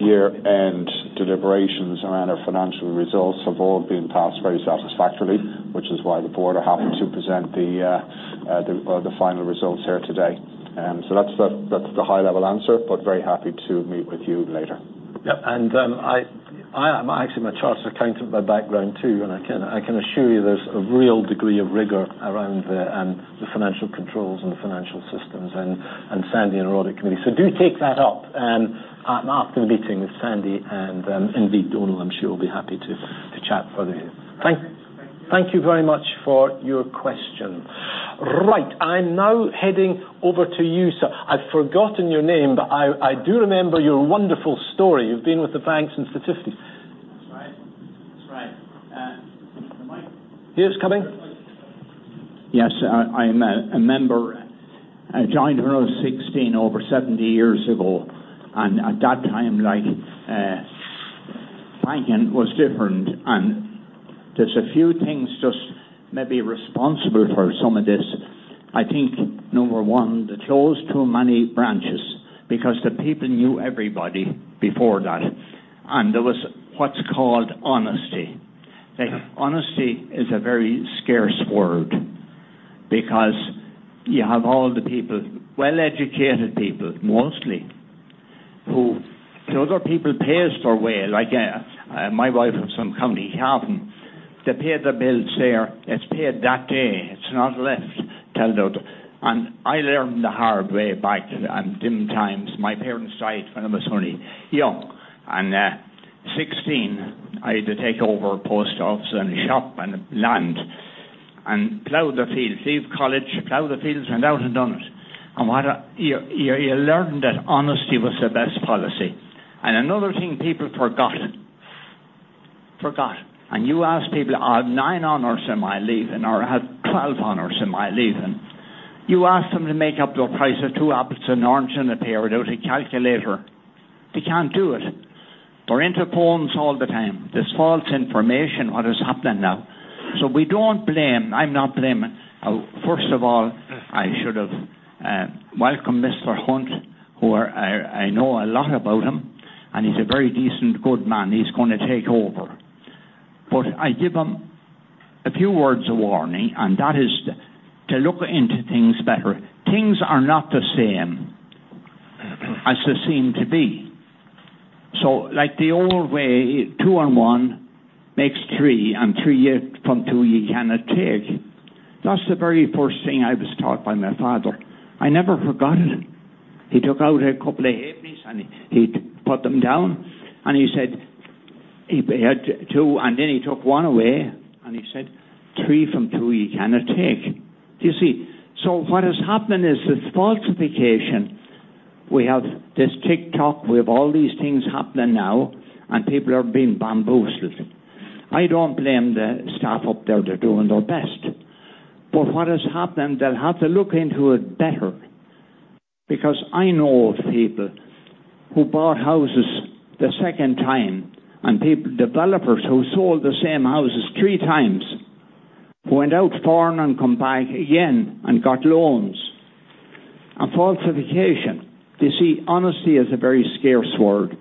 year-end deliberations around our financial results have all been passed very satisfactorily, which is why the board are happy to present the final results here today. And so that's the high-level answer, but very happy to meet with you later. Yep, and I am actually a chartered accountant by background, too, and I can assure you there's a real degree of rigor around the financial controls and the financial systems and Sandy and the audit committee. So do take that up after the meeting with Sandy and indeed, Donal, I'm sure will be happy to chat further. Thank you very much for your question. Right, I'm now heading over to you, sir. I've forgotten your name, but I do remember your wonderful story. You've been with the bank since the fifty. That's right. That's right. The mic? Here it's coming. Yes, I'm a member. I joined when I was 16, over 70 years ago, and at that time, like, banking was different. And there's a few things just maybe responsible for some of this. I think, number one, they closed too many branches because the people knew everybody before that, and there was what's called honesty. Like, honesty is a very scarce word because you have all the people, well-educated people, mostly, who the other people pays their way. Like, my wife is from County Cavan. They pay the bills there. It's paid that day. It's not left till then. And I learned the hard way back on them times. My parents died when I was only young, and 16, I had to take over a post office and a shop and land and plow the fields, leave college, plow the fields, and out and done it. And what you learned that honesty was the best policy. And another thing people forgot, and you ask people, I have 9 honors in my leaving, or I have 12 honors in my leaving. You ask them to make up the price of 2 apples and orange in a pair without a calculator, they can't do it. They're into phones all the time. There's false information, what is happening now. So we don't blame. I'm not blaming. First of all, I should have welcomed Mr. Hunt, who I know a lot about him, and he's a very decent, good man. He's gonna take over. But I give him a few words of warning, and that is to look into things better. Things are not the same as they seem to be. So like the old way, two on one makes three, and three you, from two, you cannot take. That's the very first thing I was taught by my father. I never forgot it. He took out a couple of halfpennies, and he put them down, and he said, he had two, and then he took one away, and he said, "Three from two, you cannot take." You see, so what is happening is this falsification. We have this TikTok. We have all these things happening now, and people are being bamboozled. I don't blame the staff up there. They're doing their best. But what has happened, they'll have to look into it better because I know of people who bought houses the second time and people, developers who sold the same houses three times, went out foreign and come back again and got loans. And falsification, you see, honesty is a very scarce word,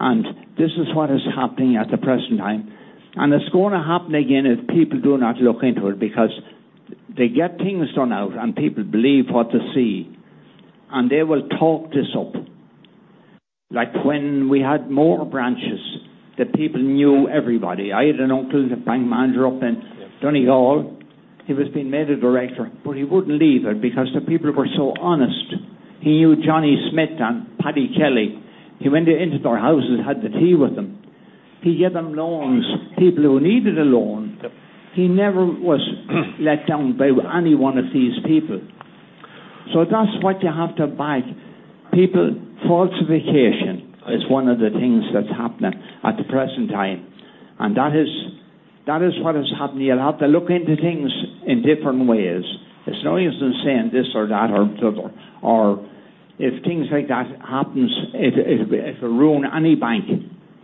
and this is what is happening at the present time. And it's gonna happen again if people do not look into it, because they get things done out, and people believe what they see, and they will talk this up. Like when we had more branches, the people knew everybody. I had an uncle, the bank manager up in Donegal. He was being made a director, but he wouldn't leave it because the people were so honest. He knew Johnny Smith and Patty Kelly. He went into their houses and had the tea with them. He gave them loans, people who needed a loan. Yep. He never was let down by any one of these people. So that's what you have to buy. People, falsification is one of the things that's happening at the present time, and that is what has happened. You'll have to look into things in different ways. It's no use in saying this or that or the other. Or if things like that happens, it'll ruin any bank.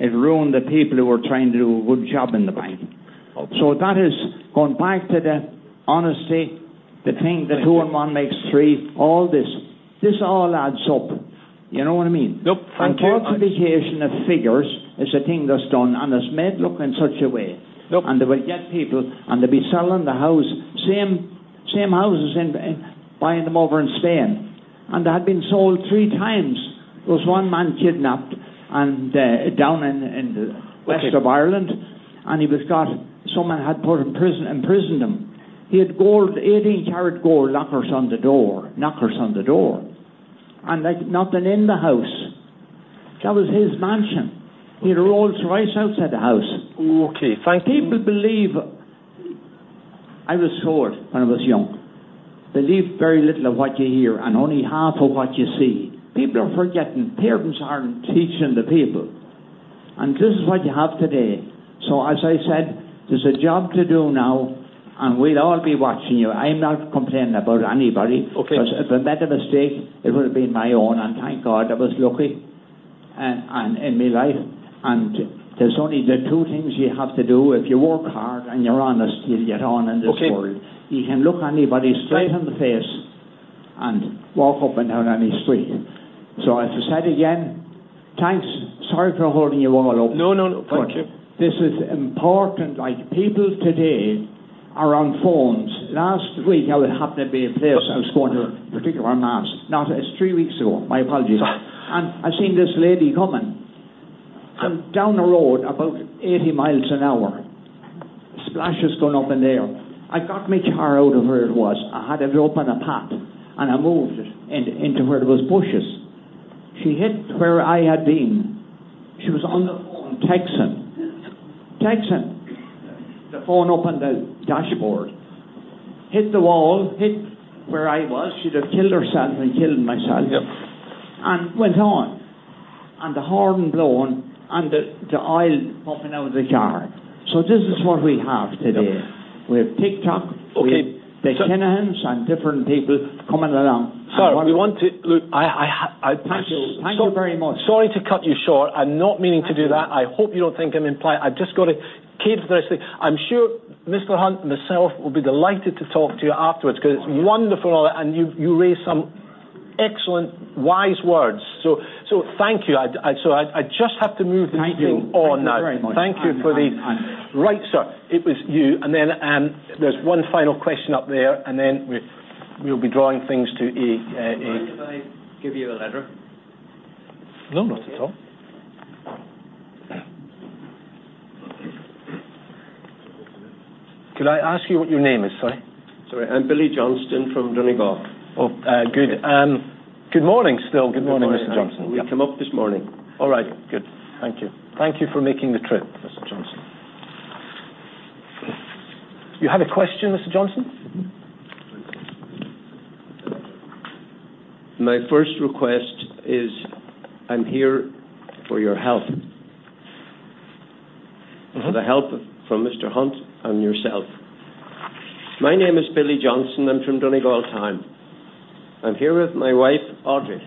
It'll ruin the people who are trying to do a good job in the bank. Okay. So that is going back to the honesty, the thing- Thank you. the 2 and 1 makes 3, all this. This all adds up. You know what I mean? Nope. Thank you. Falsification of figures is a thing that's done, and it's made look in such a way. Nope. And they will get people, and they'll be selling the house, same, same houses and, and buying them over in Spain, and they had been sold three times. There was one man kidnapped, and down in the. Okay. west of Ireland, and someone had put him in prison, imprisoned him. He had gold, 18-carat gold door-knockers on the door, and, like, nothing in the house. That was his mansion. He had a Rolls-Royce outside the house. Okay, thank you. People believe. I was told when I was young, "Believe very little of what you hear, and only half of what you see." People are forgetting. Parents aren't teaching the people, and this is what you have today. So as I said, there's a job to do now, and we'll all be watching you. I'm not complaining about anybody. Okay. 'Cause if I made a mistake, it would have been my own, and thank God, I was lucky, and in my life. There's only the two things you have to do: If you work hard and you're honest, you'll get on in this world. Okay. You can look anybody straight in the face and walk up and down any street. So as I said again, thanks. Sorry for holding you all up. No, no, no. Thank you. This is important. Like, people today are on phones. Last week, I would happen to be in a place. I was going to a particular mass. Now, it's three weeks ago. My apologies. And I've seen this lady coming, and down the road, about 80 miles an hour, splashes going up in the air. I got my car out of where it was. I had it up on a path, and I moved it in, into where there was bushes. She hit where I had been. She was on the phone, texting. Texting. The phone up on the dashboard, hit the wall, hit where I was. She'd have killed herself and killed myself. Yep. and went on, and the horn blown and the oil popping out of the car. So this is what we have today. We have TikTok- Okay. We have the Kinahans and different people coming along. Sir, we want to. Look, I. Thank you. Thank you very much. Sorry to cut you short. I'm not meaning to do that. Thank you. I hope you don't think I'm implying. I've just got to keep this thing. I'm sure Mr. Hunt and myself will be delighted to talk to you afterwards. Okay. because it's wonderful, and you raised some excellent, wise words. So thank you. I just have to move the meeting on now. Thank you very much. Thank you for the. I understand. Right, sir. It was you, and then, there's one final question up there, and then we, we'll be drawing things to a. Did I give you a letter? No, not at all. Could I ask you what your name is, sir? Sorry, I'm Billy Johnston from Donegal. Oh, good. Good morning, still. Good morning, Mr. Johnston. We come up this morning. All right, good. Thank you. Thank you for making the trip, Mr. Johnston. You have a question, Mr. Johnston? My first request is, I'm here for your help. for the help from Mr. Hunt and yourself. My name is Billy Johnston. I'm from Donegal Town. I'm here with my wife, Audrey.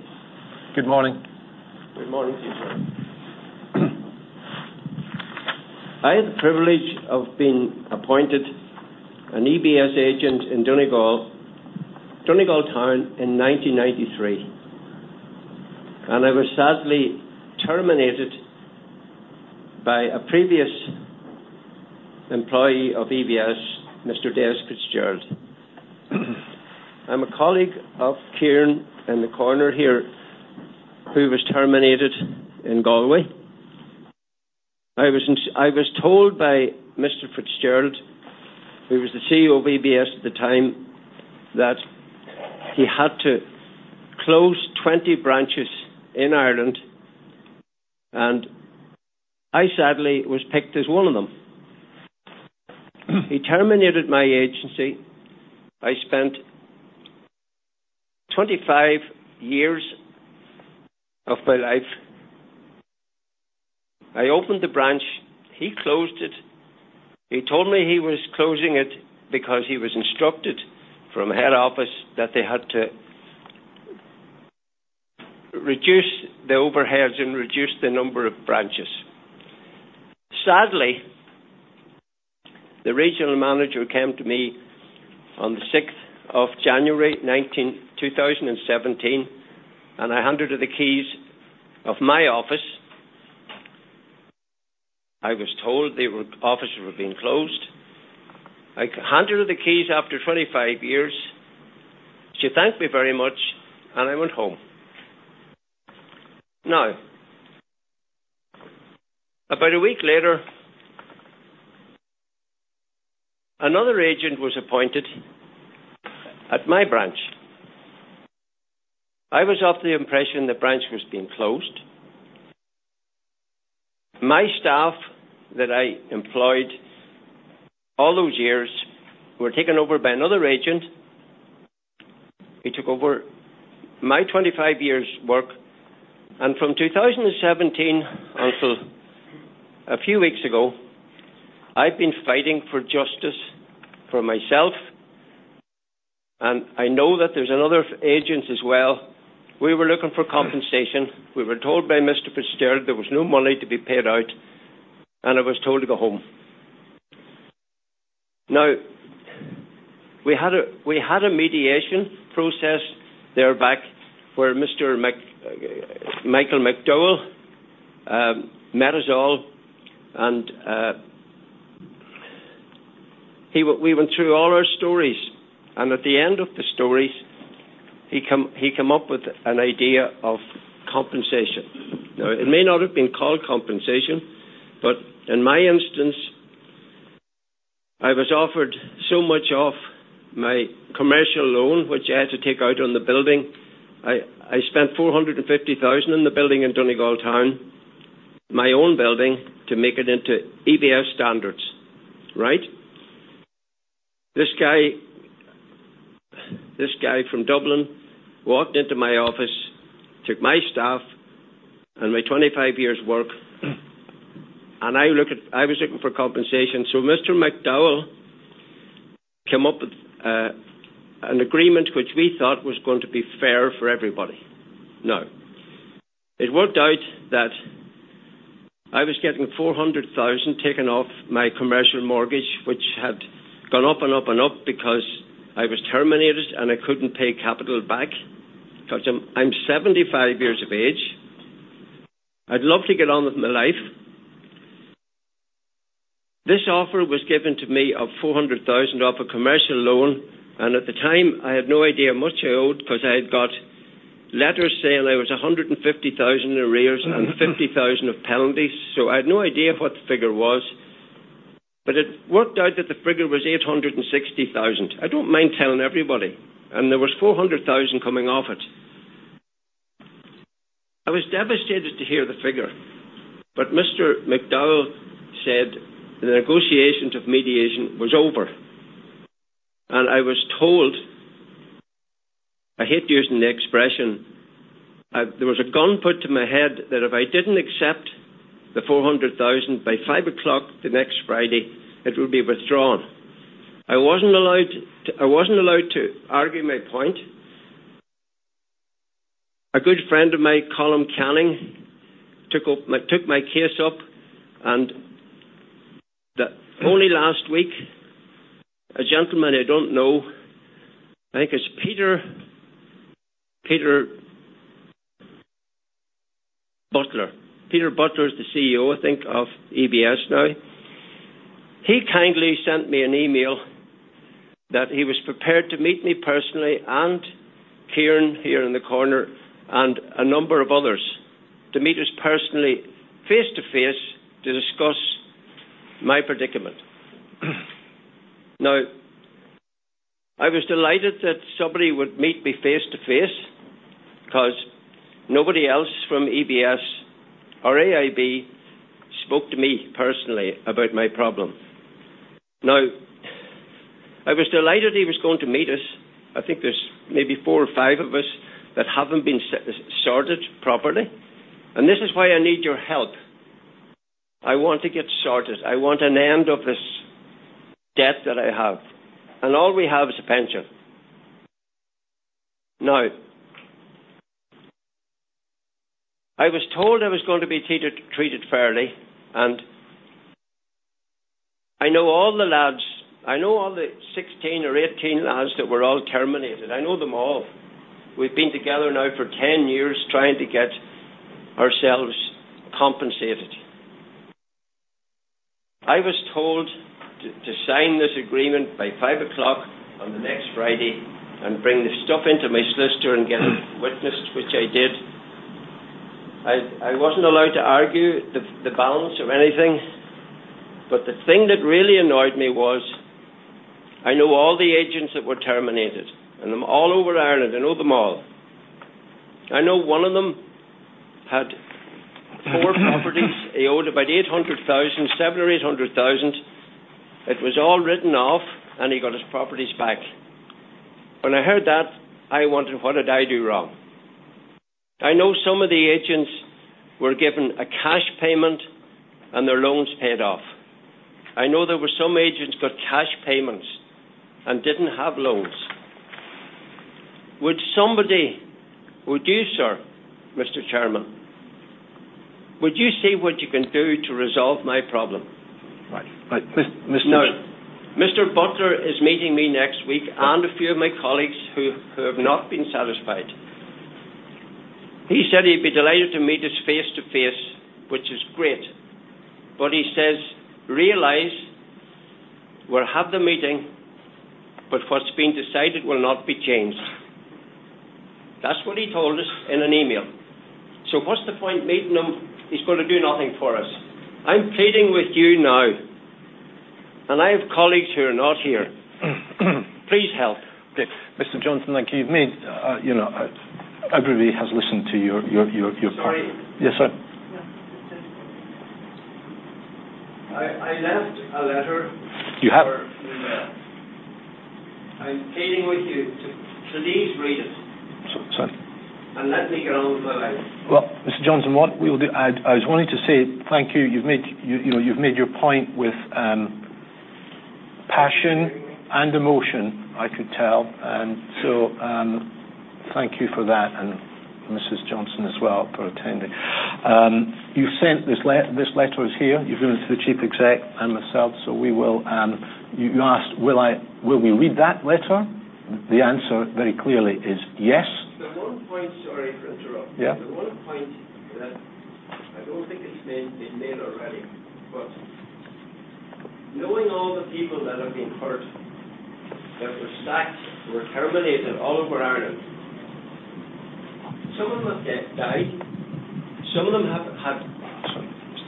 Good morning. Good morning to you. I had the privilege of being appointed an EBS agent in Donegal, Donegal Town in 1993, and I was sadly terminated by a previous employee of EBS, Mr. Des Fitzgerald. I'm a colleague of Kieran in the corner here, who was terminated in Galway. I was in. I was told by Mr. Fitzgerald, who was the CEO of EBS at the time, that he had to close 20 branches in Ireland, and I sadly was picked as one of them. He terminated my agency. I spent 25 years of my life. I opened the branch. He closed it. He told me he was closing it because he was instructed from head office that they had to reduce the overheads and reduce the number of branches. Sadly, the regional manager came to me on the sixth of January, 2017, and I handed her the keys of my office. I was told the office were being closed. I handed her the keys after 25 years. She thanked me very much, and I went home. Now, about a week later, another agent was appointed at my branch. I was of the impression the branch was being closed. My staff that I employed all those years were taken over by another agent, took over my 25 years work, and from 2017 until a few weeks ago, I've been fighting for justice for myself, and I know that there's another agents as well. We were looking for compensation. We were told by Mr. Fitzgerald there was no money to be paid out, and I was told to go home. Now, we had a mediation process there back where Mr. Michael McDowell met us all, and we went through all our stories, and at the end of the stories, he came up with an idea of compensation. Now, it may not have been called compensation, but in my instance, I was offered so much off my commercial loan, which I had to take out on the building. I spent 450,000 in the building in Donegal Town, my own building, to make it into EBS standards, right? This guy from Dublin walked into my office, took my staff and my 25 years work, and I was looking for compensation. So Mr. McDowell came up with an agreement which we thought was going to be fair for everybody. Now, it worked out that I was getting 400,000 taken off my commercial mortgage, which had gone up and up and up because I was terminated, and I couldn't pay capital back. So I'm 75 years of age. I'd love to get on with my life. This offer was given to me of 400,000 off a commercial loan, and at the time, I had no idea how much I owed because I had got letters saying I was 150,000 in arrears and 50,000 of penalties. So I had no idea what the figure was, but it worked out that the figure was 860,000. I don't mind telling everybody, and there was 400,000 coming off it. I was devastated to hear the figure, but Mr. McDowell said the negotiations of mediation was over, and I was told. I hate using the expression, there was a gun put to my head that if I didn't accept the 400,000 by 5:00 P.M. the next Friday, it would be withdrawn. I wasn't allowed to, I wasn't allowed to argue my point. A good friend of mine, Colm Gannon, took up my case up, and only last week, a gentleman I don't know, I think it's Peter, Peter Butler. Peter Butler is the CEO, I think, of EBS now. He kindly sent me an email that he was prepared to meet me personally and Kieran, here in the corner, and a number of others, to meet us personally, face-to-face, to discuss my predicament. Now, I was delighted that somebody would meet me face-to-face because nobody else from EBS or AIB spoke to me personally about my problem. Now, I was delighted he was going to meet us. I think there's maybe 4 or 5 of us that haven't been sorted properly, and this is why I need your help. I want to get sorted. I want an end of this debt that I have, and all we have is a pension. Now, I was told I was going to be treated, treated fairly, and I know all the lads. I know all the 16 or 18 lads that were all terminated. I know them all. We've been together now for 10 years, trying to get ourselves compensated. I was told to sign this agreement by 5:00 P.M. on the next Friday and bring the stuff into my solicitor and get it witnessed, which I did. I wasn't allowed to argue the balance or anything, but the thing that really annoyed me was, I know all the agents that were terminated, and I'm all over Ireland. I know them all. I know one of them had four properties. He owed about 800,000, seven or eight hundred thousand. It was all written off, and he got his properties back. When I heard that, I wondered, what did I do wrong? I know some of the agents were given a cash payment and their loans paid off. I know there were some agents got cash payments and didn't have loans. Would somebody. Would you, sir, Mr. Chairman, would you see what you can do to resolve my problem? Right. But, Now, Mr. Butler is meeting me next week and a few of my colleagues who have not been satisfied. He said he'd be delighted to meet us face-to-face, which is great, but he says, "Realize we'll have the meeting, but what's being decided will not be changed." That's what he told us in an email. So what's the point of meeting him? He's going to do nothing for us. I'm pleading with you now, and I have colleagues who are not here. Please help. Mr. Johnston, thank you. You've made, you know. Everybody has listened to your part. Sorry. Yes, sir. I left a letter. You have. In the mail. I'm pleading with you to please read it. Sorry. Let me get on with my life. Well, Mr. Johnson, what we will do, I was wanting to say thank you. You've made, you know, you've made your point with passion and emotion, I could tell. Thank you for that, and Mrs. Johnson as well, for attending. You've sent this letter; it is here. You've given it to the chief exec and myself, so we will. You asked, will we read that letter? The answer, very clearly, is yes. The one point. Sorry to interrupt. Yeah. The one point that I don't think it's been made already, but knowing all the people that have been hurt, that were sacked, were terminated all over Ireland, some of them have died. Some of them have had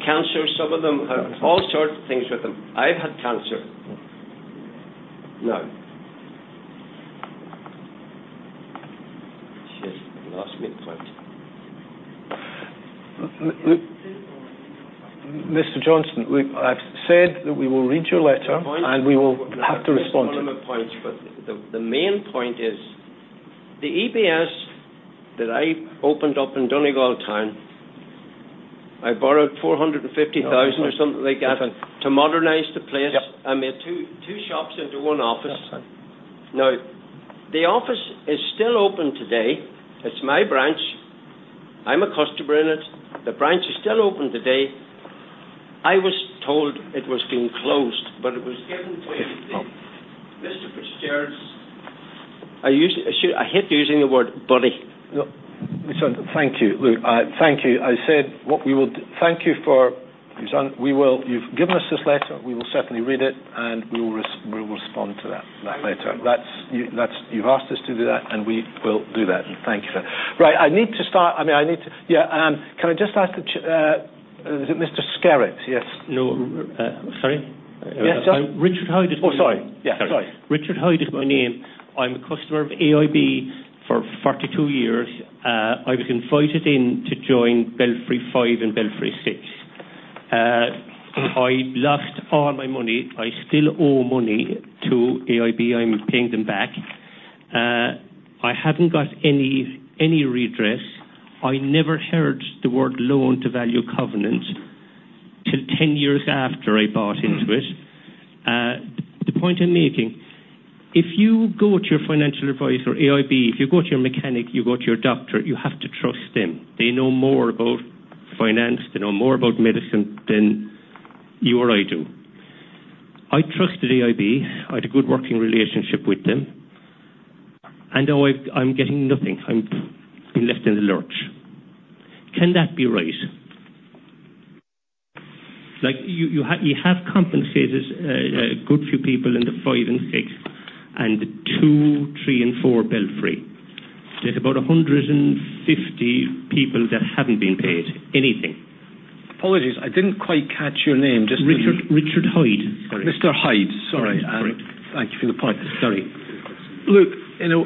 cancer. Some of them have all sorts of things with them. I've had cancer. Now, jeez, I've lost my point. Mr. Johnston, I've said that we will read your letter. Point. And we will have to respond to it. One of my points, but the main point is, the EBS that I opened up in Donegal Town, I borrowed 450,000 or something like that. Yes. to modernize the place. Yep. I made two shops into one office. That's fine. Now, the office is still open today. It's my branch. I'm a customer in it. The branch is still open today. I was told it was being closed, but it was given to me, Mr. Fitzgerald. I hate using the word buddy. No, listen, thank you. Look, I thank you. I said, what we will do. Thank you for. Listen, we will., you've given us this letter. We will certainly read it, and we will respond to that, that letter. That's, you, that's. You've asked us to do that, and we will do that. Thank you, sir. Right, I need to start, I mean, I need to. Yeah, can I just ask, is it Mr. Skerritt? Yes. No, sorry? Yes. Richard Hynds is. Oh, sorry. Yeah, sorry. Richard Hynds is my name. I'm a customer of AIB for 42 years. I was invited in to join Belfry 5 and Belfry 6. I lost all my money. I still owe money to AIB. I'm paying them back. I haven't got any, any redress. I never heard the word Loan-to-Value covenant till 10 years after I bought into it. The point I'm making, if you go to your financial advisor, AIB, if you go to your mechanic, you go to your doctor, you have to trust them. They know more about finance, they know more about medicine than you or I do. I trusted AIB. I had a good working relationship with them, and now I'm getting nothing. I'm being left in the lurch. Can that be right? Like, you have compensated a good few people in the five and six, and the two, three, and four Belfry. There's about 150 people that haven't been paid anything. Apologies, I didn't quite catch your name, just. Richard, Richard Hynds. Mr. Hyde, sorry. Sorry. Thank you for the point. Sorry. Look, you know,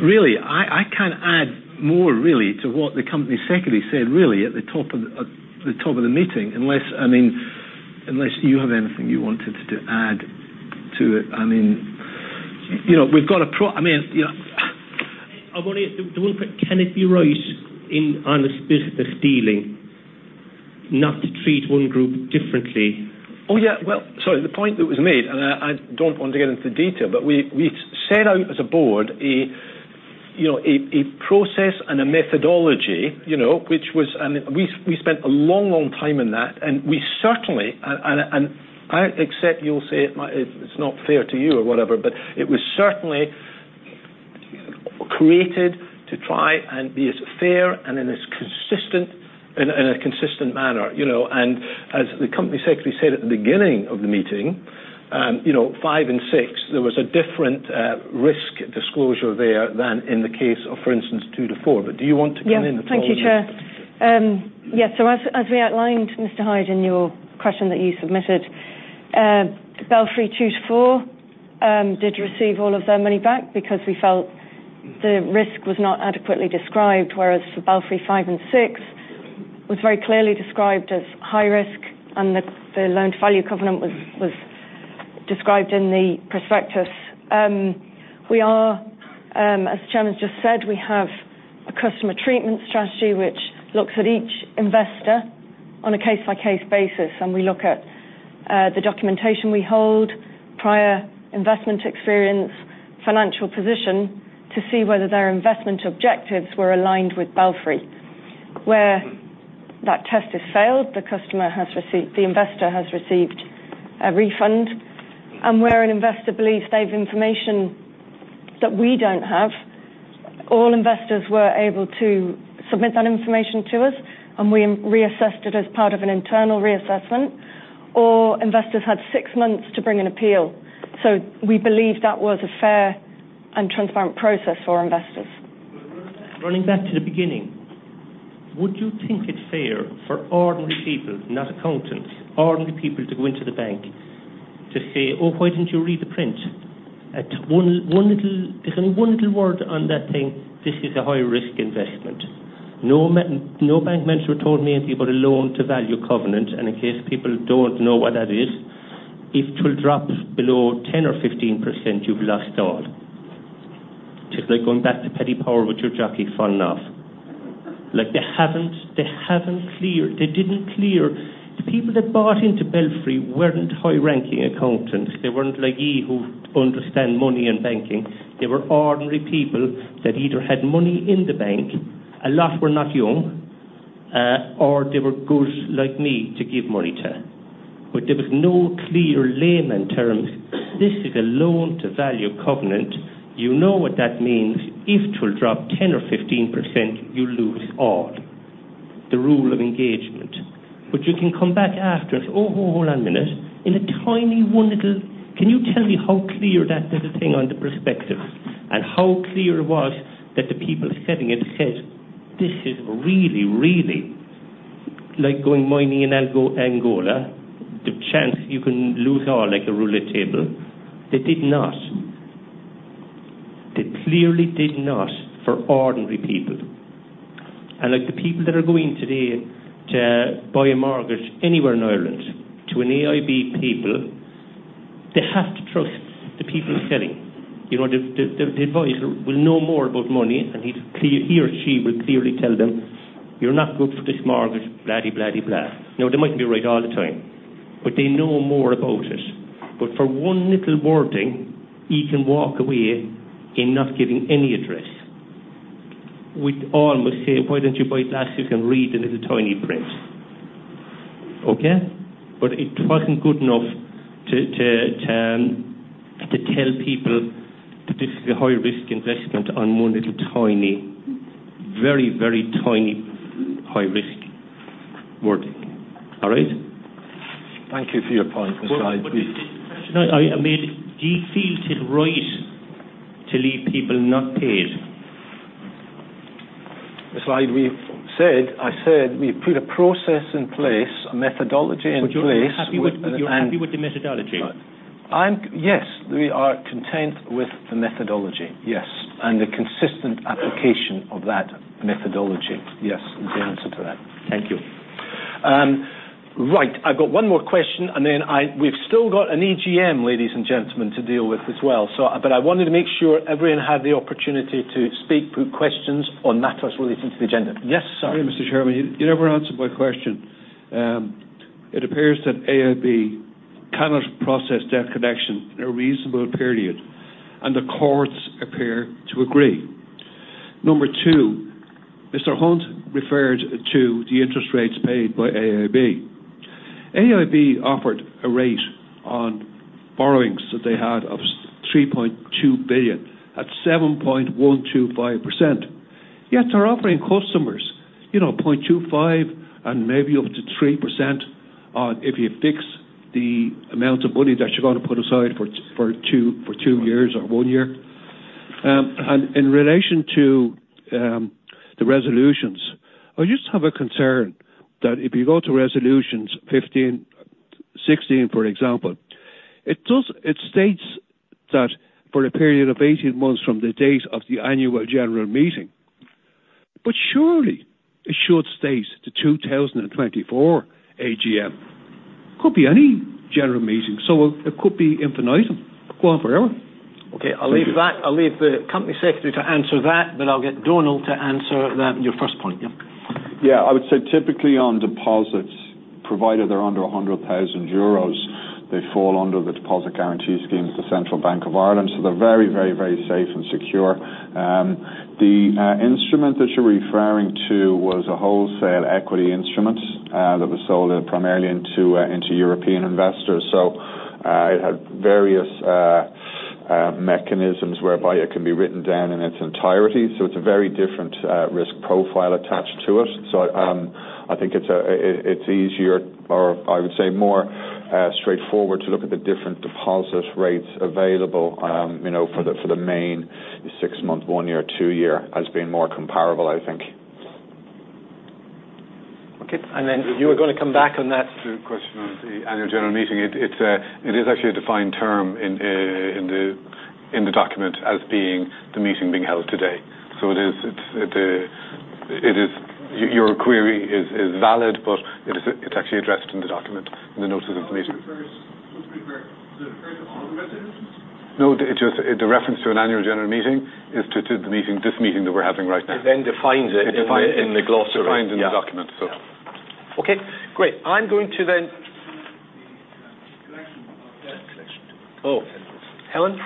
really, I can't add more really to what the company secretary said really at the top of the meeting, unless, I mean, unless you have anything you wanted to add to it. I mean, you know, we've got a pro. I mean, you know, I'm wondering, the one point, can it be right in honest business dealing not to treat one group differently? Oh, yeah. Well, sorry, the point that was made, and I don't want to get into the detail, but we set out as a board, you know, a process and a methodology, you know, which was... And we spent a long, long time in that, and we certainly, and I accept you'll say it might, it's not fair to you or whatever, but it was certainly created to try and be as fair and in a consistent manner, you know. And as the company secretary said at the beginning of the meeting, you know, five and six, there was a different risk disclosure there than in the case of, for instance, two to four. But do you want to come in the follow up? Yeah. Thank you, Chair. Yes, so as we outlined, Mr. Hyde, in your question that you submitted, Belfry 2-4 did receive all of their money back because we felt the risk was not adequately described, whereas for Belfry 5 and 6, was very clearly described as high risk, and the loan-to-value covenant was described in the prospectus. We are, as the chairman just said, we have a customer treatment strategy, which looks at each investor on a case-by-case basis, and we look at the documentation we hold, prior investment experience, financial position, to see whether their investment objectives were aligned with Belfry. Where that test is failed, the customer has received. The investor has received a refund, and where an investor believes they have information that we don't have, all investors were able to submit that information to us, and we re-reassessed it as part of an internal reassessment, or investors had six months to bring an appeal. So we believe that was a fair and transparent process for investors. Running back to the beginning, would you think it's fair for ordinary people, not accountants, ordinary people to go into the bank? to say, "Oh, why didn't you read the print? At one, one little, there's only one little word on that thing. This is a high-risk investment." No man, no bank manager told me anything about a loan-to-value covenant, and in case people don't know what that is, if it'll drop below 10 or 15%, you've lost all. Just like going back to Paddy Power with your jockey falling off. Like, they haven't, they haven't cleared, they didn't clear. The people that bought into Belfry weren't high-ranking accountants. They weren't like you who understand money and banking. They were ordinary people that either had money in the bank, a lot were not young, or they were good like me to give money to. But there was no clear layman's terms. This is a loan-to-value covenant. You know what that means. If it will drop 10 or 15%, you lose all, the rule of engagement. But you can come back after it. Oh, hold, hold on a minute. In a tiny one little. Can you tell me how clear that little thing on the prospectus and how clear it was that the people selling it said, "This is really, really like going mining in Angola. The chance you can lose all, like a roulette table." They did not. They clearly did not, for ordinary people. And like the people that are going today to buy a mortgage anywhere in Ireland, to an AIB people, they have to trust the people selling. You know, the advisor will know more about money, and he's clear, he or she will clearly tell them, "You're not good for this mortgage," blady, blady, blah. Now, they mightn't be right all the time, but they know more about it. But for one little wording, you can walk away in not giving any address. We all would say: Why don't you buy glasses and read the little, tiny print? Okay, but it wasn't good enough to tell people that this is a high-risk investment on one little, tiny, very, very tiny, high-risk wording. All right? Thank you for your point, Mr. Hyde. But I made. Do you feel it's right to leave people not paid? Mr. Hyde, we've said. I said we put a process in place, a methodology in place. But you're happy with, you're happy with the methodology? Yes, we are content with the methodology, yes, and the consistent application of that methodology. Yes, is the answer to that. Thank you. Right. I've got one more question, and then I, we've still got an EGM, ladies and gentlemen, to deal with as well. So, but I wanted to make sure everyone had the opportunity to speak to questions on matters relating to the agenda. Yes, sir. Mr. Chairman, you never answered my question. It appears that AIB cannot process debt collection in a reasonable period, and the courts appear to agree. Number two, Mr. Hunt referred to the interest rates paid by AIB. AIB offered a rate on borrowings that they had of 3.2 billion at 7.125%. Yet they're offering customers, you know, 0.25% and maybe up to 3% on, if you fix the amount of money that you're going to put aside for two years or one year. In relation to the resolutions, I just have a concern that if you go to resolutions 15, 16, for example, it states that for a period of 18 months from the date of the annual general meeting, but surely it should state the 2024 AGM. Could be any general meeting, so it could be infinite, go on forever. Okay, I'll leave that. Thank you. I'll leave the company secretary to answer that, but I'll get Donal to answer the, your first point. Yeah. Yeah, I would say typically on deposits, provided they're under 100,000 euros, they fall under the Deposit Guarantee Scheme, the Central Bank of Ireland, so they're very, very, very safe and secure. The instrument that you're referring to was a wholesale equity instrument that was sold primarily into European investors. So, it had various mechanisms whereby it can be written down in its entirety, so it's a very different risk profile attached to it. So, I think it's easier, or I would say, more straightforward to look at the different deposit rates available, you know, for the main 6-month, 1-year, 2-year, as being more comparable, I think. Okay, and then you were going to come back on that? The question on the annual general meeting, it's actually a defined term in the document as being the meeting being held today. So it is, your query is valid, but it's actually addressed in the document, in the notice of the meeting. [inaudible] So it's the first, so it's the first of all the resolutions? No, it's just the reference to an annual general meeting is to the meeting, this meeting that we're having right now. It then defines it. It defines it. In the glossary. Defined in the document, so. Yeah. Okay, great. I'm going to then. Collection. Oh, Helen?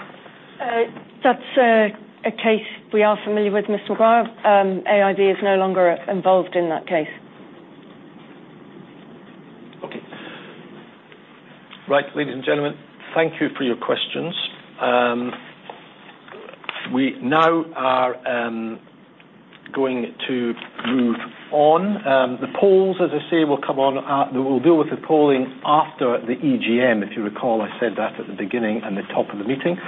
That's a case we are familiar with, Mr. O'Brien. AIB is no longer involved in that case. Okay. Right, ladies and gentlemen, thank you for your questions. We now are going to move on. The polls, as I say, will come on at-- we will deal with the polling after the EGM. If you recall, I said that at the beginning and the top of the meeting.